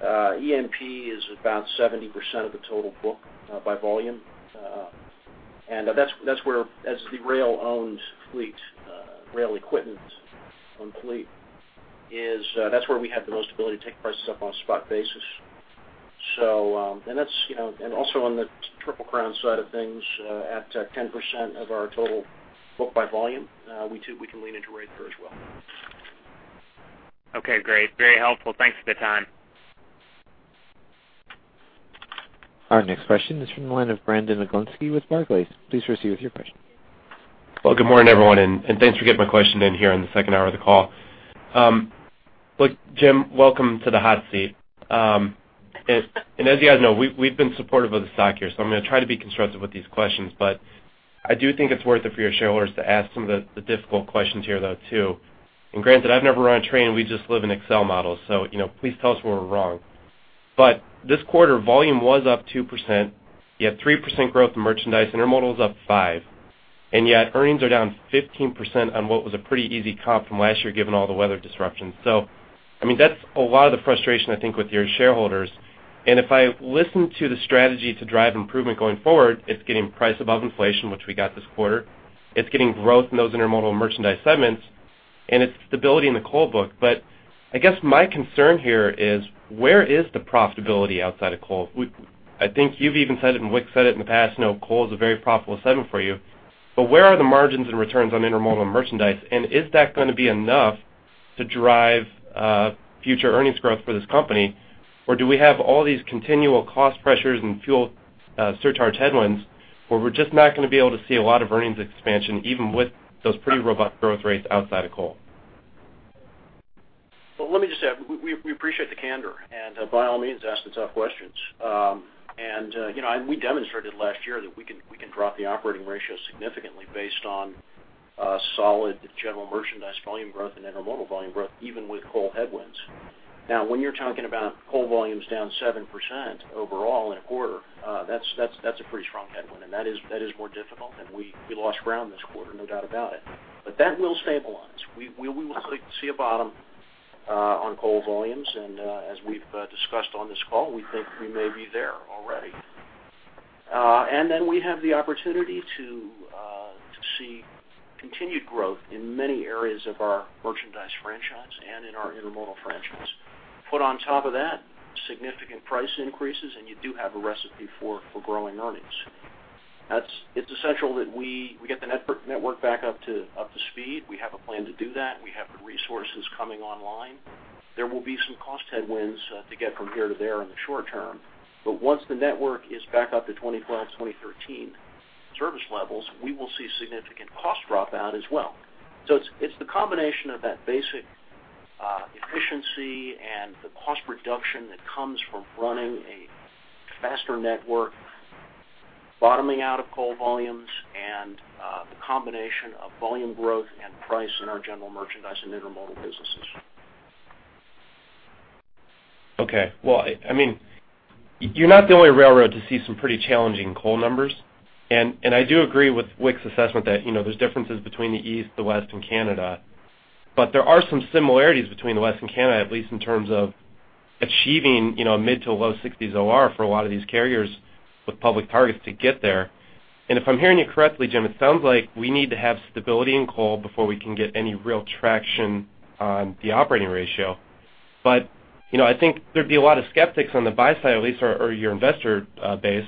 EMP is about 70% of the total book by volume. That's where, as the rail equipment owned fleet is, that's where we have the most ability to take prices up on a spot basis. Also on the Triple Crown side of things, at 10% of our total book by volume, we can lean into rates there as well. Okay, great. Very helpful. Thanks for the time. Our next question is from the line of Brandon Oglenski with Barclays. Please proceed with your question. Good morning, everyone, thanks for getting my question in here in the second hour of the call. Jim, welcome to the hot seat. As you guys know, we've been supportive of the stock here, so I'm going to try to be constructive with these questions. I do think it's worth it for your shareholders to ask some of the difficult questions here, though, too. Granted, I've never run a train. We just live in Excel models. Please tell us where we're wrong. This quarter, volume was up 2%, you had 3% growth in merchandise, intermodal's up 5%, yet earnings are down 15% on what was a pretty easy comp from last year given all the weather disruptions. That's a lot of the frustration, I think, with your shareholders. If I listen to the strategy to drive improvement going forward, it's getting price above inflation, which we got this quarter. It's getting growth in those intermodal merchandise segments, stability in the coal book. I guess my concern here is where is the profitability outside of coal? I think you've even said it and Wick said it in the past, coal is a very profitable segment for you. Where are the margins and returns on intermodal merchandise, is that going to be enough to drive future earnings growth for this company? Do we have all these continual cost pressures and fuel surcharge headwinds where we're just not going to be able to see a lot of earnings expansion even with those pretty robust growth rates outside of coal? Let me just add, we appreciate the candor, by all means, ask the tough questions. We demonstrated last year that we can drop the operating ratio significantly based on solid general merchandise volume growth and intermodal volume growth, even with coal headwinds. When you're talking about coal volumes down 7% overall in a quarter, that's a pretty strong headwind, that is more difficult, we lost ground this quarter, no doubt about it. That will stabilize. We will see a bottom on coal volumes. As we've discussed on this call, we think we may be there already. We have the opportunity to see continued growth in many areas of our merchandise franchise and in our intermodal franchise. Put on top of that significant price increases, you do have a recipe for growing earnings. It's essential that we get the network back up to speed. We have a plan to do that. We have the resources coming online. There will be some cost headwinds to get from here to there in the short term, once the network is back up to 2012, 2013 service levels, we will see significant cost drop-out as well. It's the combination of that basic efficiency and the cost reduction that comes from running a faster network, bottoming out of coal volumes, and the combination of volume growth and price in our general merchandise and intermodal businesses. Okay. Well, you're not the only railroad to see some pretty challenging coal numbers. I do agree with Wick's assessment that there's differences between the East, the West, and Canada. There are some similarities between the West and Canada, at least in terms of achieving mid to low 60s OR for a lot of these carriers with public targets to get there. If I'm hearing you correctly, Jim, it sounds like we need to have stability in coal before we can get any real traction on the operating ratio. I think there'd be a lot of skeptics on the buy side, at least, or your investor base,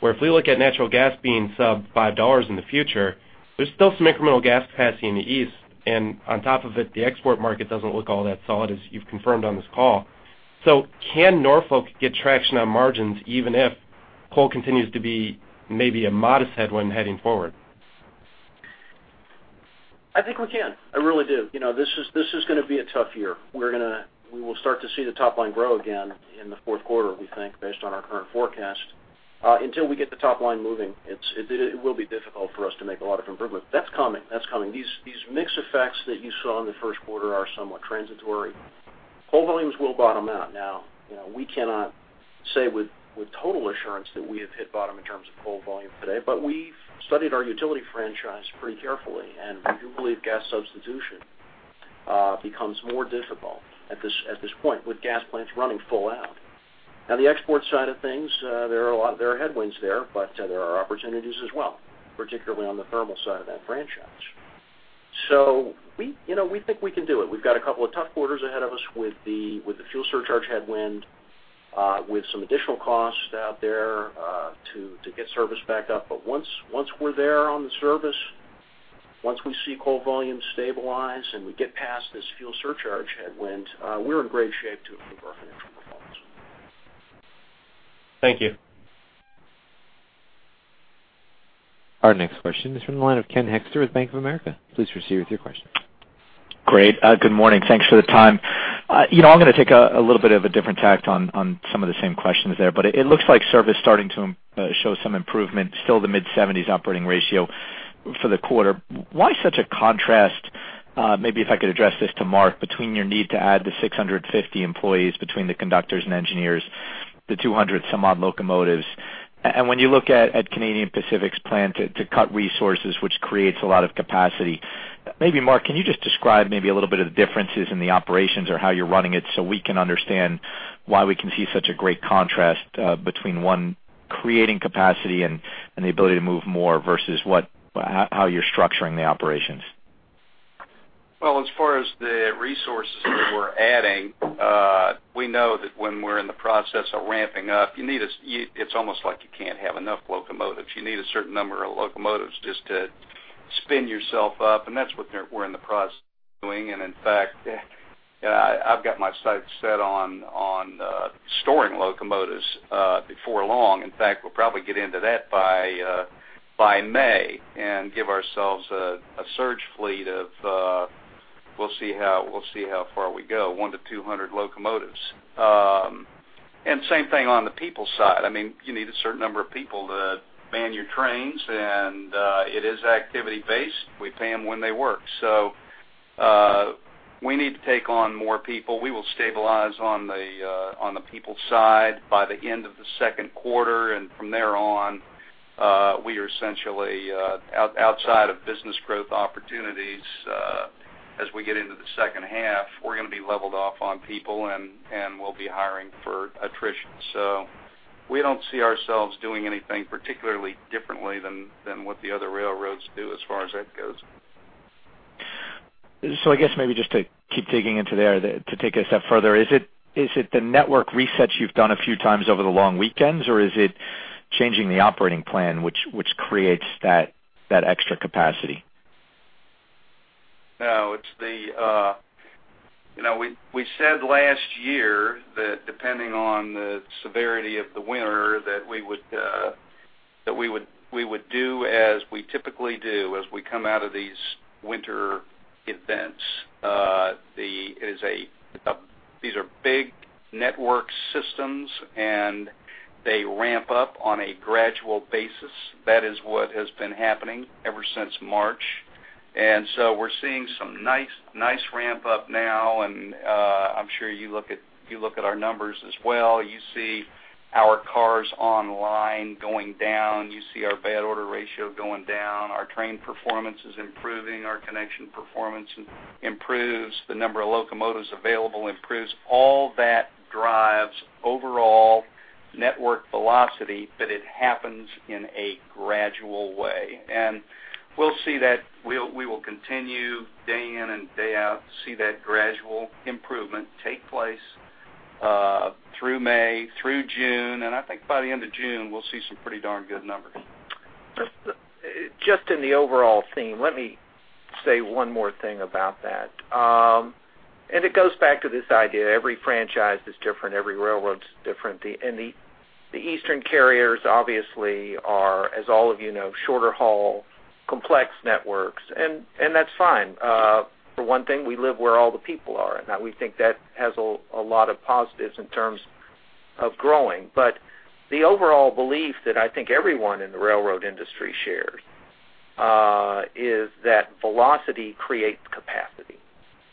where if we look at natural gas being sub $5 in the future, there's still some incremental gas capacity in the East. On top of it, the export market doesn't look all that solid, as you've confirmed on this call. Can Norfolk get traction on margins even if coal continues to be maybe a modest headwind heading forward? I think we can. I really do. This is going to be a tough year. We will start to see the top line grow again in the fourth quarter, we think, based on our current forecast. Until we get the top line moving, it will be difficult for us to make a lot of improvement. That's coming. These mixed effects that you saw in the first quarter are somewhat transitory. Coal volumes will bottom out. We cannot say with total assurance that we have hit bottom in terms of coal volume today, but we've studied our utility franchise pretty carefully, and we do believe gas substitution becomes more difficult at this point, with gas plants running full out. The export side of things, there are headwinds there, but there are opportunities as well, particularly on the thermal side of that franchise. We think we can do it. We've got a couple of tough quarters ahead of us with the fuel surcharge headwind, with some additional costs out there to get service back up. Once we're there on the service, once we see coal volumes stabilize and we get past this fuel surcharge headwind, we're in great shape to improve our financial performance. Thank you. Our next question is from the line of Ken Hoexter with Bank of America. Please proceed with your question. Great. Good morning. Thanks for the time. I'm going to take a little bit of a different tact on some of the same questions there. It looks like service starting to show some improvement. Still the mid-70s operating ratio for the quarter. Why such a contrast, maybe if I could address this to Mark, between your need to add the 650 employees between the conductors and engineers, the 200 some odd locomotives. When you look at Canadian Pacific's plan to cut resources, which creates a lot of capacity, maybe Mark, can you just describe maybe a little bit of the differences in the operations or how you're running it so we can understand why we can see such a great contrast between one creating capacity and the ability to move more versus how you're structuring the operations? Well, as far as the resources that we're adding, we know that when we're in the process of ramping up, it's almost like you can't have enough locomotives. You need a certain number of locomotives just to spin yourself up, and that's what we're in the process of doing. In fact, I've got my sights set on storing locomotives before long. In fact, we'll probably get into that by May and give ourselves a surge fleet of, we'll see how far we go, one to 200 locomotives. Same thing on the people side. You need a certain number of people to man your trains, and it is activity based. We pay them when they work. We need to take on more people. We will stabilize on the people side by the end of the second quarter, and from there on, we are essentially outside of business growth opportunities as we get into the second half, we're going to be leveled off on people and we'll be hiring for attrition. We don't see ourselves doing anything particularly differently than what the other railroads do as far as that goes. I guess maybe just to keep digging into there, to take it a step further, is it the network resets you've done a few times over the long weekends, or is it changing the operating plan which creates that extra capacity? No, we said last year that depending on the severity of the winter, that we would do as we typically do, as we come out of these winter events. These are big network systems, and they ramp up on a gradual basis. That is what has been happening ever since March. We're seeing some nice ramp up now, and I'm sure you look at our numbers as well. You see our cars online going down. You see our bad order ratio going down. Our train performance is improving. Our connection performance improves. The number of locomotives available improves. All that drives overall network velocity, but it happens in a gradual way. We will continue day in and day out to see that gradual improvement take place through May, through June, and I think by the end of June, we'll see some pretty darn good numbers. Just in the overall theme, let me say one more thing about that. It goes back to this idea, every franchise is different, every railroad is different. The eastern carriers obviously are, as all of you know, shorter haul, complex networks, and that's fine. For one thing, we live where all the people are, and we think that has a lot of positives in terms of growing. The overall belief that I think everyone in the railroad industry shares is that velocity creates capacity,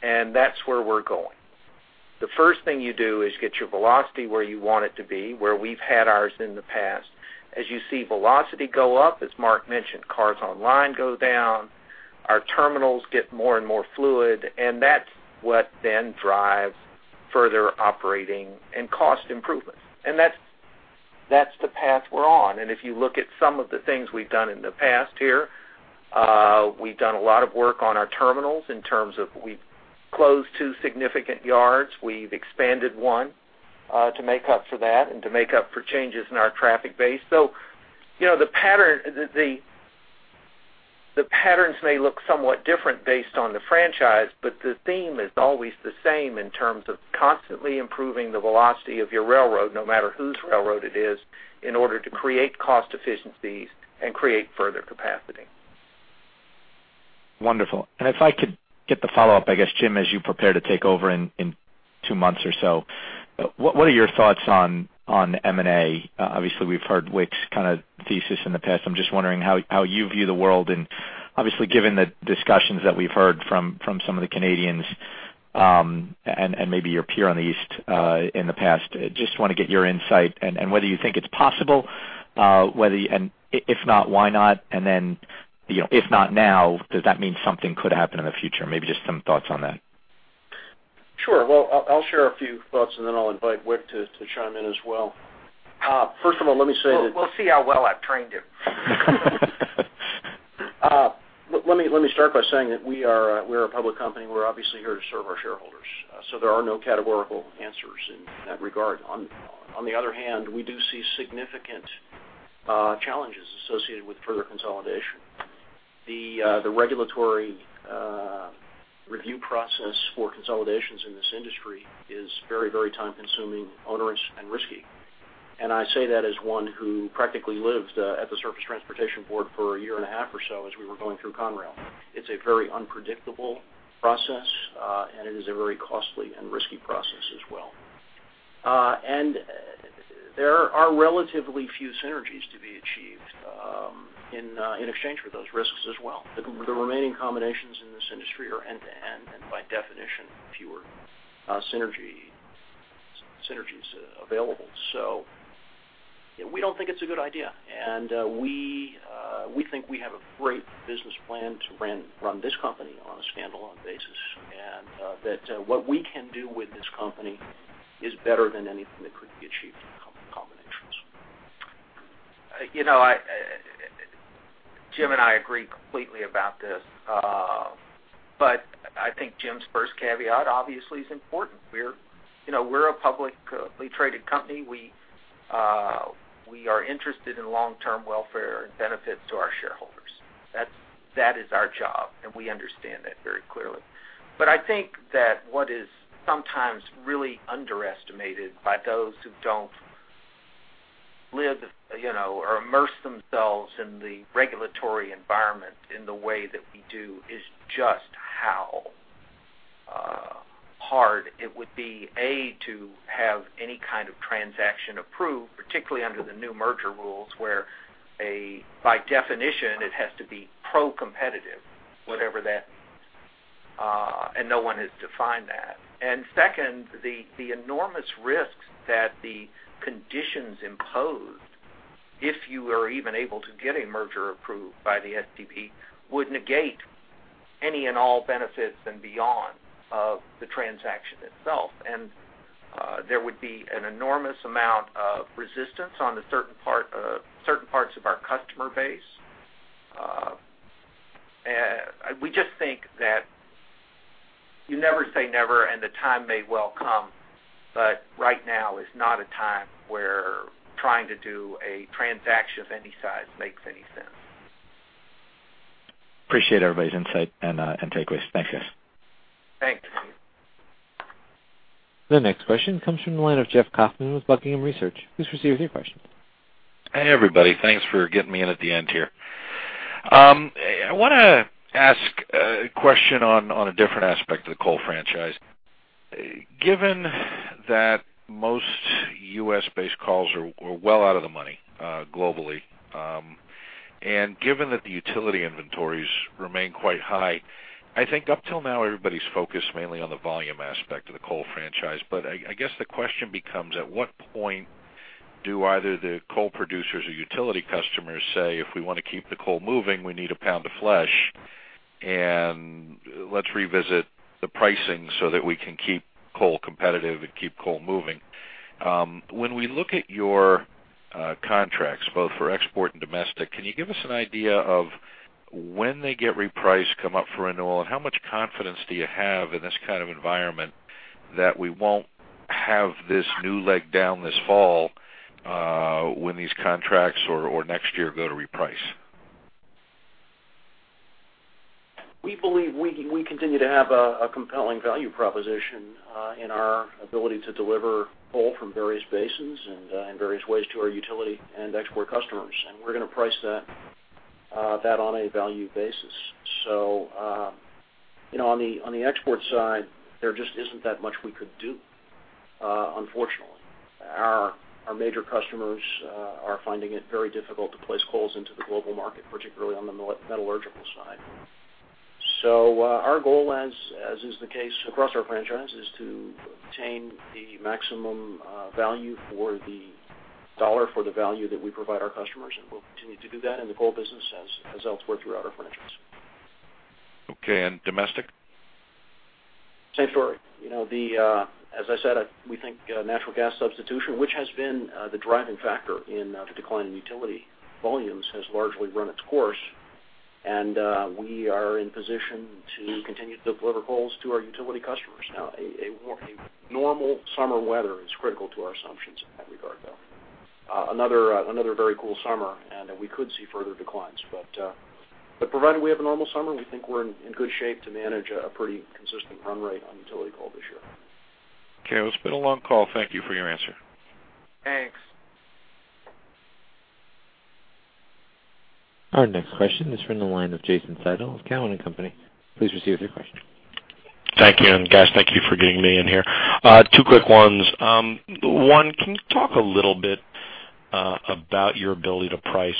and that's where we're going. The first thing you do is get your velocity where you want it to be, where we've had ours in the past. As you see velocity go up, as Mark mentioned, cars online go down, our terminals get more and more fluid, and that's what then drives further operating and cost improvements. That's the path we're on. If you look at some of the things we've done in the past here, we've done a lot of work on our terminals in terms of we've closed two significant yards. We've expanded one to make up for that and to make up for changes in our traffic base. The patterns may look somewhat different based on the franchise, but the theme is always the same in terms of constantly improving the velocity of your railroad, no matter whose railroad it is, in order to create cost efficiencies and create further capacity. Wonderful. If I could get the follow-up, I guess, Jim, as you prepare to take over in two months or so, what are your thoughts on M&A? Obviously, we've heard Wick's thesis in the past. I'm just wondering how you view the world obviously given the discussions that we've heard from some of the Canadians. Maybe your peer on the east in the past. I just want to get your insight and whether you think it's possible, and if not, why not? Then, if not now, does that mean something could happen in the future? Maybe just some thoughts on that. Sure. I'll share a few thoughts, then I'll invite Wick to chime in as well. We'll see how well I've trained him. Let me start by saying that we are a public company. We're obviously here to serve our shareholders. There are no categorical answers in that regard. On the other hand, we do see significant challenges associated with further consolidation. The regulatory review process for consolidations in this industry is very time-consuming, onerous, and risky. I say that as one who practically lived at the Surface Transportation Board for a year and a half or so as we were going through Conrail. It's a very unpredictable process, and it is a very costly and risky process as well. There are relatively few synergies to be achieved in exchange for those risks as well. The remaining combinations in this industry are end-to-end, by definition, fewer synergies available. We don't think it's a good idea, we think we have a great business plan to run this company on a standalone basis, that what we can do with this company is better than anything that could be achieved in combinations. Jim and I agree completely about this. I think Jim's first caveat, obviously, is important. We're a publicly traded company. We are interested in long-term welfare and benefit to our shareholders. That is our job, we understand that very clearly. I think that what is sometimes really underestimated by those who don't live or immerse themselves in the regulatory environment in the way that we do is just how hard it would be, A, to have any kind of transaction approved, particularly under the new merger rules, where by definition, it has to be pro-competitive. Whatever that means. No one has defined that. Second, the enormous risks that the conditions imposed if you were even able to get a merger approved by the STB would negate any and all benefits and beyond of the transaction itself. There would be an enormous amount of resistance on certain parts of our customer base. We just think that you never say never, the time may well come, but right now is not a time where trying to do a transaction of any size makes any sense. Appreciate everybody's insight and takeaways. Thanks, guys. Thanks. The next question comes from the line of Jeff Kauffman with Buckingham Research. Please proceed with your question. Hey, everybody. Thanks for getting me in at the end here. I want to ask a question on a different aspect of the coal franchise. Given that most U.S.-based coals are well out of the money globally, and given that the utility inventories remain quite high, I think up till now, everybody's focused mainly on the volume aspect of the coal franchise. I guess the question becomes, at what point do either the coal producers or utility customers say, "If we want to keep the coal moving, we need a pound of flesh, and let's revisit the pricing so that we can keep coal competitive and keep coal moving." When we look at your contracts, both for export and domestic, can you give us an idea of when they get repriced, come up for renewal, and how much confidence do you have in this kind of environment that we won't have this new leg down this fall when these contracts or next year go to reprice? We believe we continue to have a compelling value proposition in our ability to deliver coal from various basins and in various ways to our utility and export customers. We're going to price that on a value basis. On the export side, there just isn't that much we could do, unfortunately. Our major customers are finding it very difficult to place coals into the global market, particularly on the metallurgical side. Our goal, as is the case across our franchise, is to obtain the maximum value for the dollar, for the value that we provide our customers, and we'll continue to do that in the coal business as elsewhere throughout our franchise. Okay, domestic? Same story. As I said, we think natural gas substitution, which has been the driving factor in the decline in utility volumes, has largely run its course, we are in position to continue to deliver coals to our utility customers. Now, a normal summer weather is critical to our assumptions in that regard, though. Another very cool summer, we could see further declines. Provided we have a normal summer, we think we're in good shape to manage a pretty consistent run rate on utility coal this year. Okay. Well, it's been a long call. Thank you for your answer. Thanks. Our next question is from the line of Jason Seidl of Cowen and Company. Please proceed with your question. Thank you, guys, thank you for getting me in here. Two quick ones. One, can you talk a little bit about your ability to price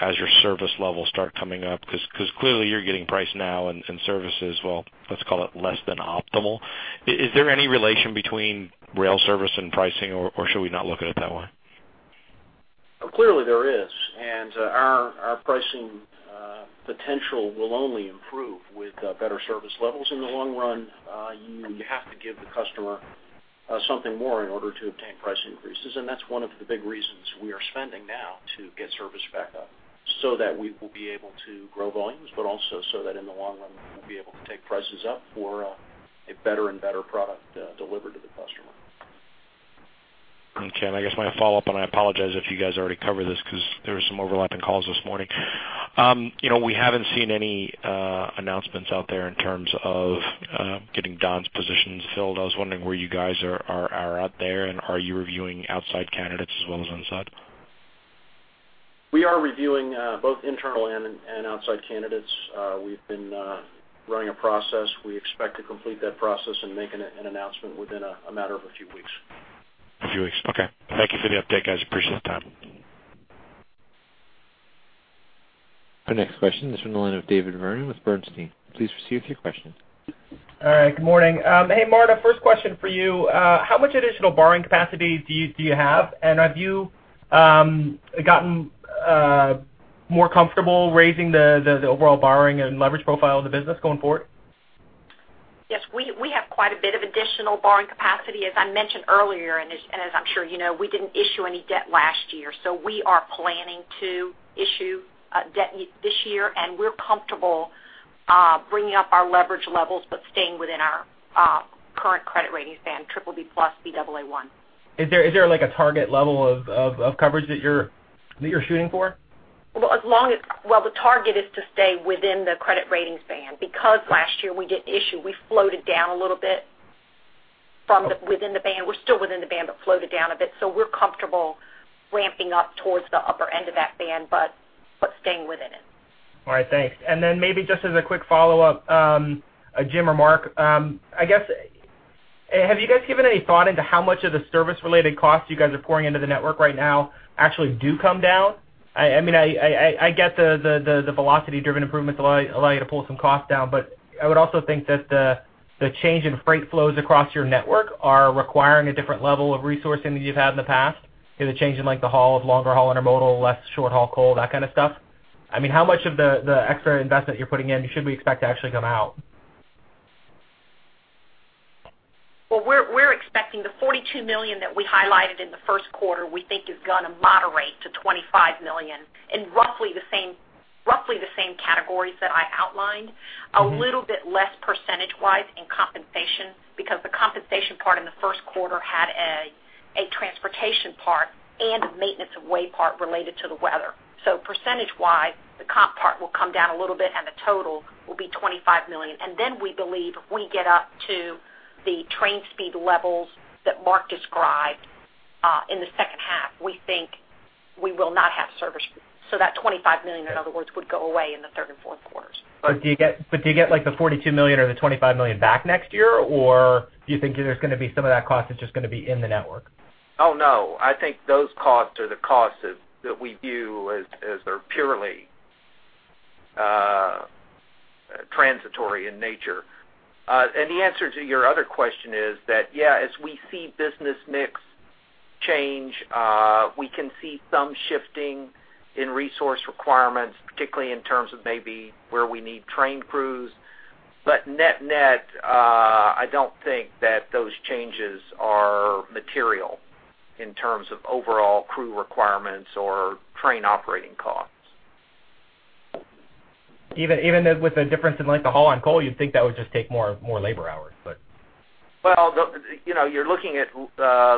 as your service levels start coming up, because clearly you're getting price now and services, well, let's call it less than optimal. Is there any relation between rail service and pricing, or should we not look at it that way? Clearly, there is. Our pricing potential will only improve with better service levels in the long run. You have to give the customer something more in order to obtain price increases. That's one of the big reasons we are spending now to get service back up, so that we will be able to grow volumes, but also so that in the long run, we'll be able to take prices up for a better and better product delivered to the customer. Okay. I guess my follow-up, and I apologize if you guys already covered this because there were some overlapping calls this morning. We haven't seen any announcements out there in terms of getting Don's positions filled. I was wondering where you guys are out there, are you reviewing outside candidates as well as inside? We are reviewing both internal and outside candidates. We've been running a process. We expect to complete that process and make an announcement within a matter of a few weeks. A few weeks. Okay. Thank you for the update, guys. Appreciate the time. Our next question is from the line of David Vernon with Bernstein. Please proceed with your question. All right. Good morning. Hey, Marta, first question for you. How much additional borrowing capacity do you have? Have you gotten more comfortable raising the overall borrowing and leverage profile of the business going forward? Yes, we have quite a bit of additional borrowing capacity. As I mentioned earlier, and as I'm sure you know, we didn't issue any debt last year. We are planning to issue debt this year, and we're comfortable bringing up our leverage levels but staying within our current credit rating span, BBB+, Baa1. Is there a target level of coverage that you're shooting for? Well, the target is to stay within the credit ratings band, because last year we didn't issue, we floated down a little bit from within the band. We're still within the band, but floated down a bit. We're comfortable ramping up towards the upper end of that band, but staying within it. All right, thanks. Maybe just as a quick follow-up, Jim or Mark, I guess, have you guys given any thought into how much of the service related costs you guys are pouring into the network right now actually do come down? I get the velocity driven improvements allow you to pull some costs down, but I would also think that the change in freight flows across your network are requiring a different level of resourcing than you've had in the past. Because the change in length of haul, longer haul intermodal, less short haul coal, that kind of stuff. How much of the extra investment you're putting in should we expect to actually come out? We're expecting the $42 million that we highlighted in the first quarter, we think is going to moderate to $25 million in roughly the same categories that I outlined. A little bit less percentage wise in compensation, because the compensation part in the first quarter had a transportation part and a maintenance of way part related to the weather. Percentage wise, the comp part will come down a little bit and the total will be $25 million. We believe we get up to the train speed levels that Mark described in the second half. We think we will not have service. That $25 million, in other words, would go away in the third and fourth quarters. Do you get the $42 million or the $25 million back next year? Do you think there's going to be some of that cost that's just going to be in the network? Oh, no. I think those costs are the costs that we view as they're purely transitory in nature. The answer to your other question is that, yeah, as we see business mix change, we can see some shifting in resource requirements, particularly in terms of maybe where we need train crews. Net, I don't think that those changes are material in terms of overall crew requirements or train operating costs. Even with the difference in length of haul on coal, you'd think that would just take more labor hours. You're looking at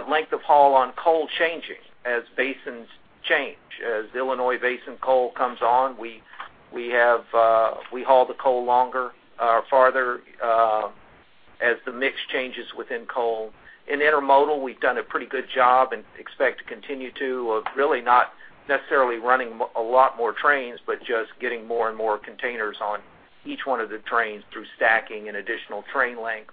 length of haul on coal changing as basins change. As Illinois basin coal comes on, we haul the coal longer or farther as the mix changes within coal. In intermodal, we've done a pretty good job and expect to continue to, of really not necessarily running a lot more trains, but just getting more and more containers on each one of the trains through stacking and additional train length.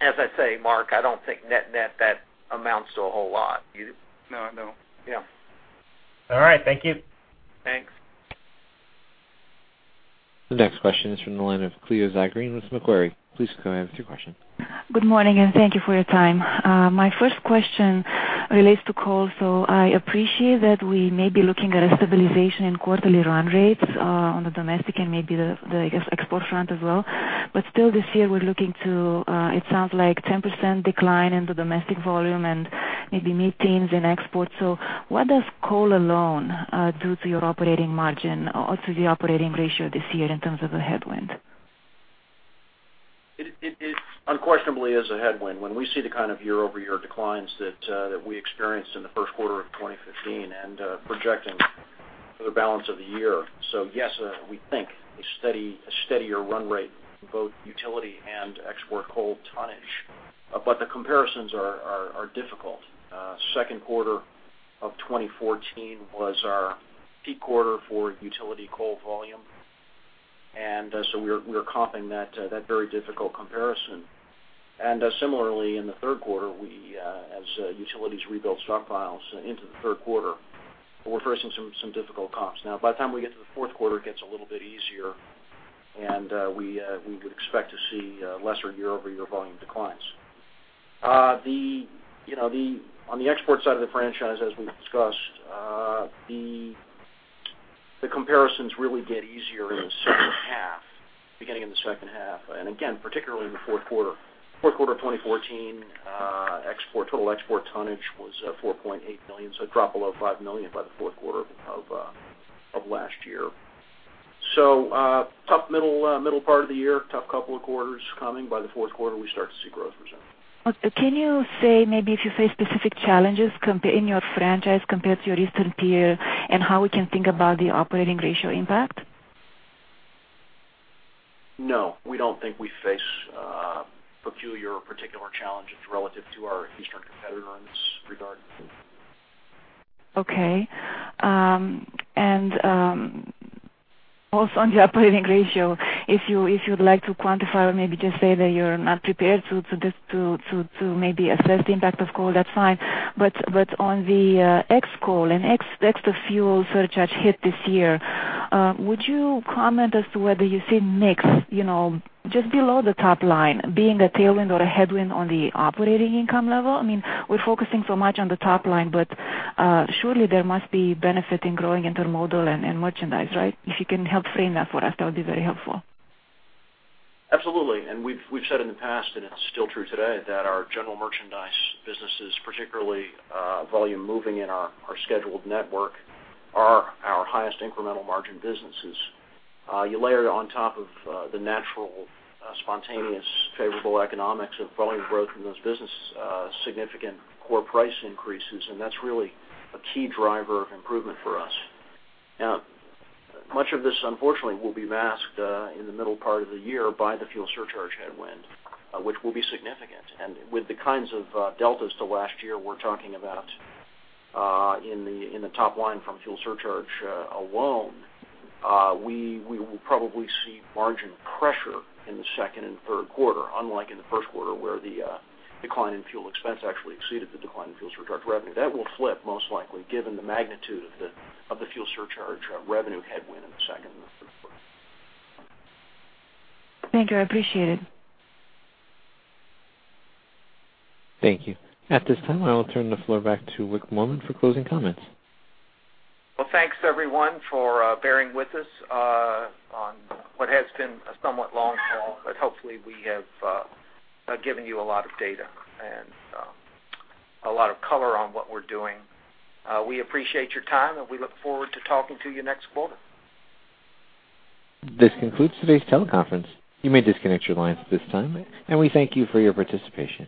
As I say, Mark, I don't think net that amounts to a whole lot. You? No, I don't. Yeah. All right. Thank you. Thanks. The next question is from the line of Cleo Zagrean with Macquarie. Please go ahead with your question. Good morning, thank you for your time. My first question relates to coal. I appreciate that we may be looking at a stabilization in quarterly run rates on the domestic and maybe the export front as well. Still this year, we're looking to, it sounds like 10% decline in the domestic volume and maybe mid-teens in exports. What does coal alone do to your operating margin or to the operating ratio this year in terms of a headwind? It unquestionably is a headwind when we see the kind of year-over-year declines that we experienced in the first quarter of 2015 and projecting for the balance of the year. Yes, we think a steadier run rate in both utility and export coal tonnage. The comparisons are difficult. Second quarter of 2014 was our peak quarter for utility coal volume. We're comping that very difficult comparison. Similarly, in the third quarter, as utilities rebuild stockpiles into the third quarter, we're facing some difficult comps. By the time we get to the fourth quarter, it gets a little bit easier, and we would expect to see lesser year-over-year volume declines. On the export side of the franchise, as we've discussed, the comparisons really get easier beginning in the second half. Again, particularly in the fourth quarter of 2014, total export tonnage was 4.8 million, it dropped below 5 million by the fourth quarter of last year. Tough middle part of the year, tough couple of quarters coming. By the fourth quarter, we start to see growth resume. Can you say maybe if you face specific challenges in your franchise compared to your eastern peer, and how we can think about the operating ratio impact? No. We don't think we face peculiar or particular challenges relative to our eastern competitor in this regard. Okay. Also on the operating ratio, if you'd like to quantify or maybe just say that you're not prepared to maybe assess the impact of coal, that's fine. On the ex coal and ex the fuel surcharge hit this year, would you comment as to whether you see mix just below the top line being a tailwind or a headwind on the operating income level? We're focusing so much on the top line, but surely there must be benefit in growing intermodal and merchandise, right? If you can help frame that for us, that would be very helpful. Absolutely. We've said in the past, and it's still true today, that our general merchandise businesses, particularly volume moving in our scheduled network, are our highest incremental margin businesses. You layer on top of the natural, spontaneous, favorable economics of volume growth in those businesses, significant core price increases, and that's really a key driver of improvement for us. Much of this, unfortunately, will be masked in the middle part of the year by the fuel surcharge headwind, which will be significant. With the kinds of deltas to last year we're talking about in the top line from fuel surcharge alone, we will probably see margin pressure in the second and third quarter, unlike in the first quarter where the decline in fuel expense actually exceeded the decline in fuel surcharge revenue. That will flip most likely, given the magnitude of the fuel surcharge revenue headwind in the second and third quarter. Thank you. I appreciate it. Thank you. At this time, I will turn the floor back to Wick Moorman for closing comments. Well, thanks everyone for bearing with us on what has been a somewhat long call, but hopefully we have given you a lot of data and a lot of color on what we're doing. We appreciate your time, and we look forward to talking to you next quarter. This concludes today's teleconference. You may disconnect your lines at this time, and we thank you for your participation.